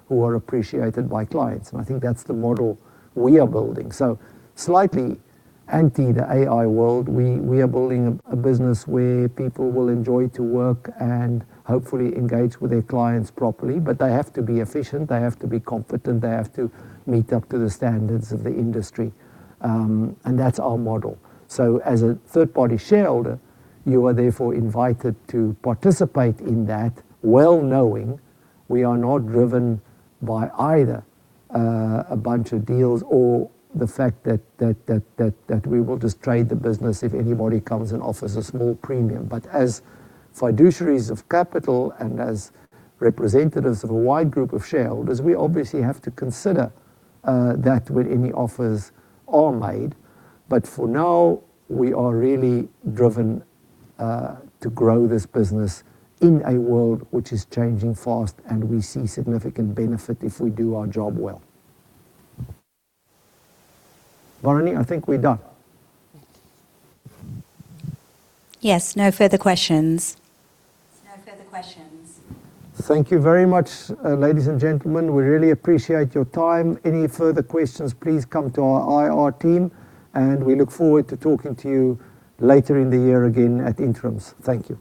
who are appreciated by clients. I think that's the model we are building. Slightly anti the AI world. We are building a business where people will enjoy to work and hopefully engage with their clients properly, but they have to be efficient, they have to be competent, they have to meet up to the standards of the industry. That's our model. As a third-party shareholder, you are therefore invited to participate in that well knowing we are not driven by either a bunch of deals or the fact that we will just trade the business if anybody comes and offers a small premium. As fiduciaries of capital and as representatives of a wide group of shareholders, we obviously have to consider that when any offers are made. For now, we are really driven to grow this business in a world which is changing fast, and we see significant benefit if we do our job well. Varuni, I think we're done. Yes. No further questions. Thank you very much, ladies and gentlemen. We really appreciate your time. Any further questions, please come to our IR team, and we look forward to talking to you later in the year again at interims. Thank you.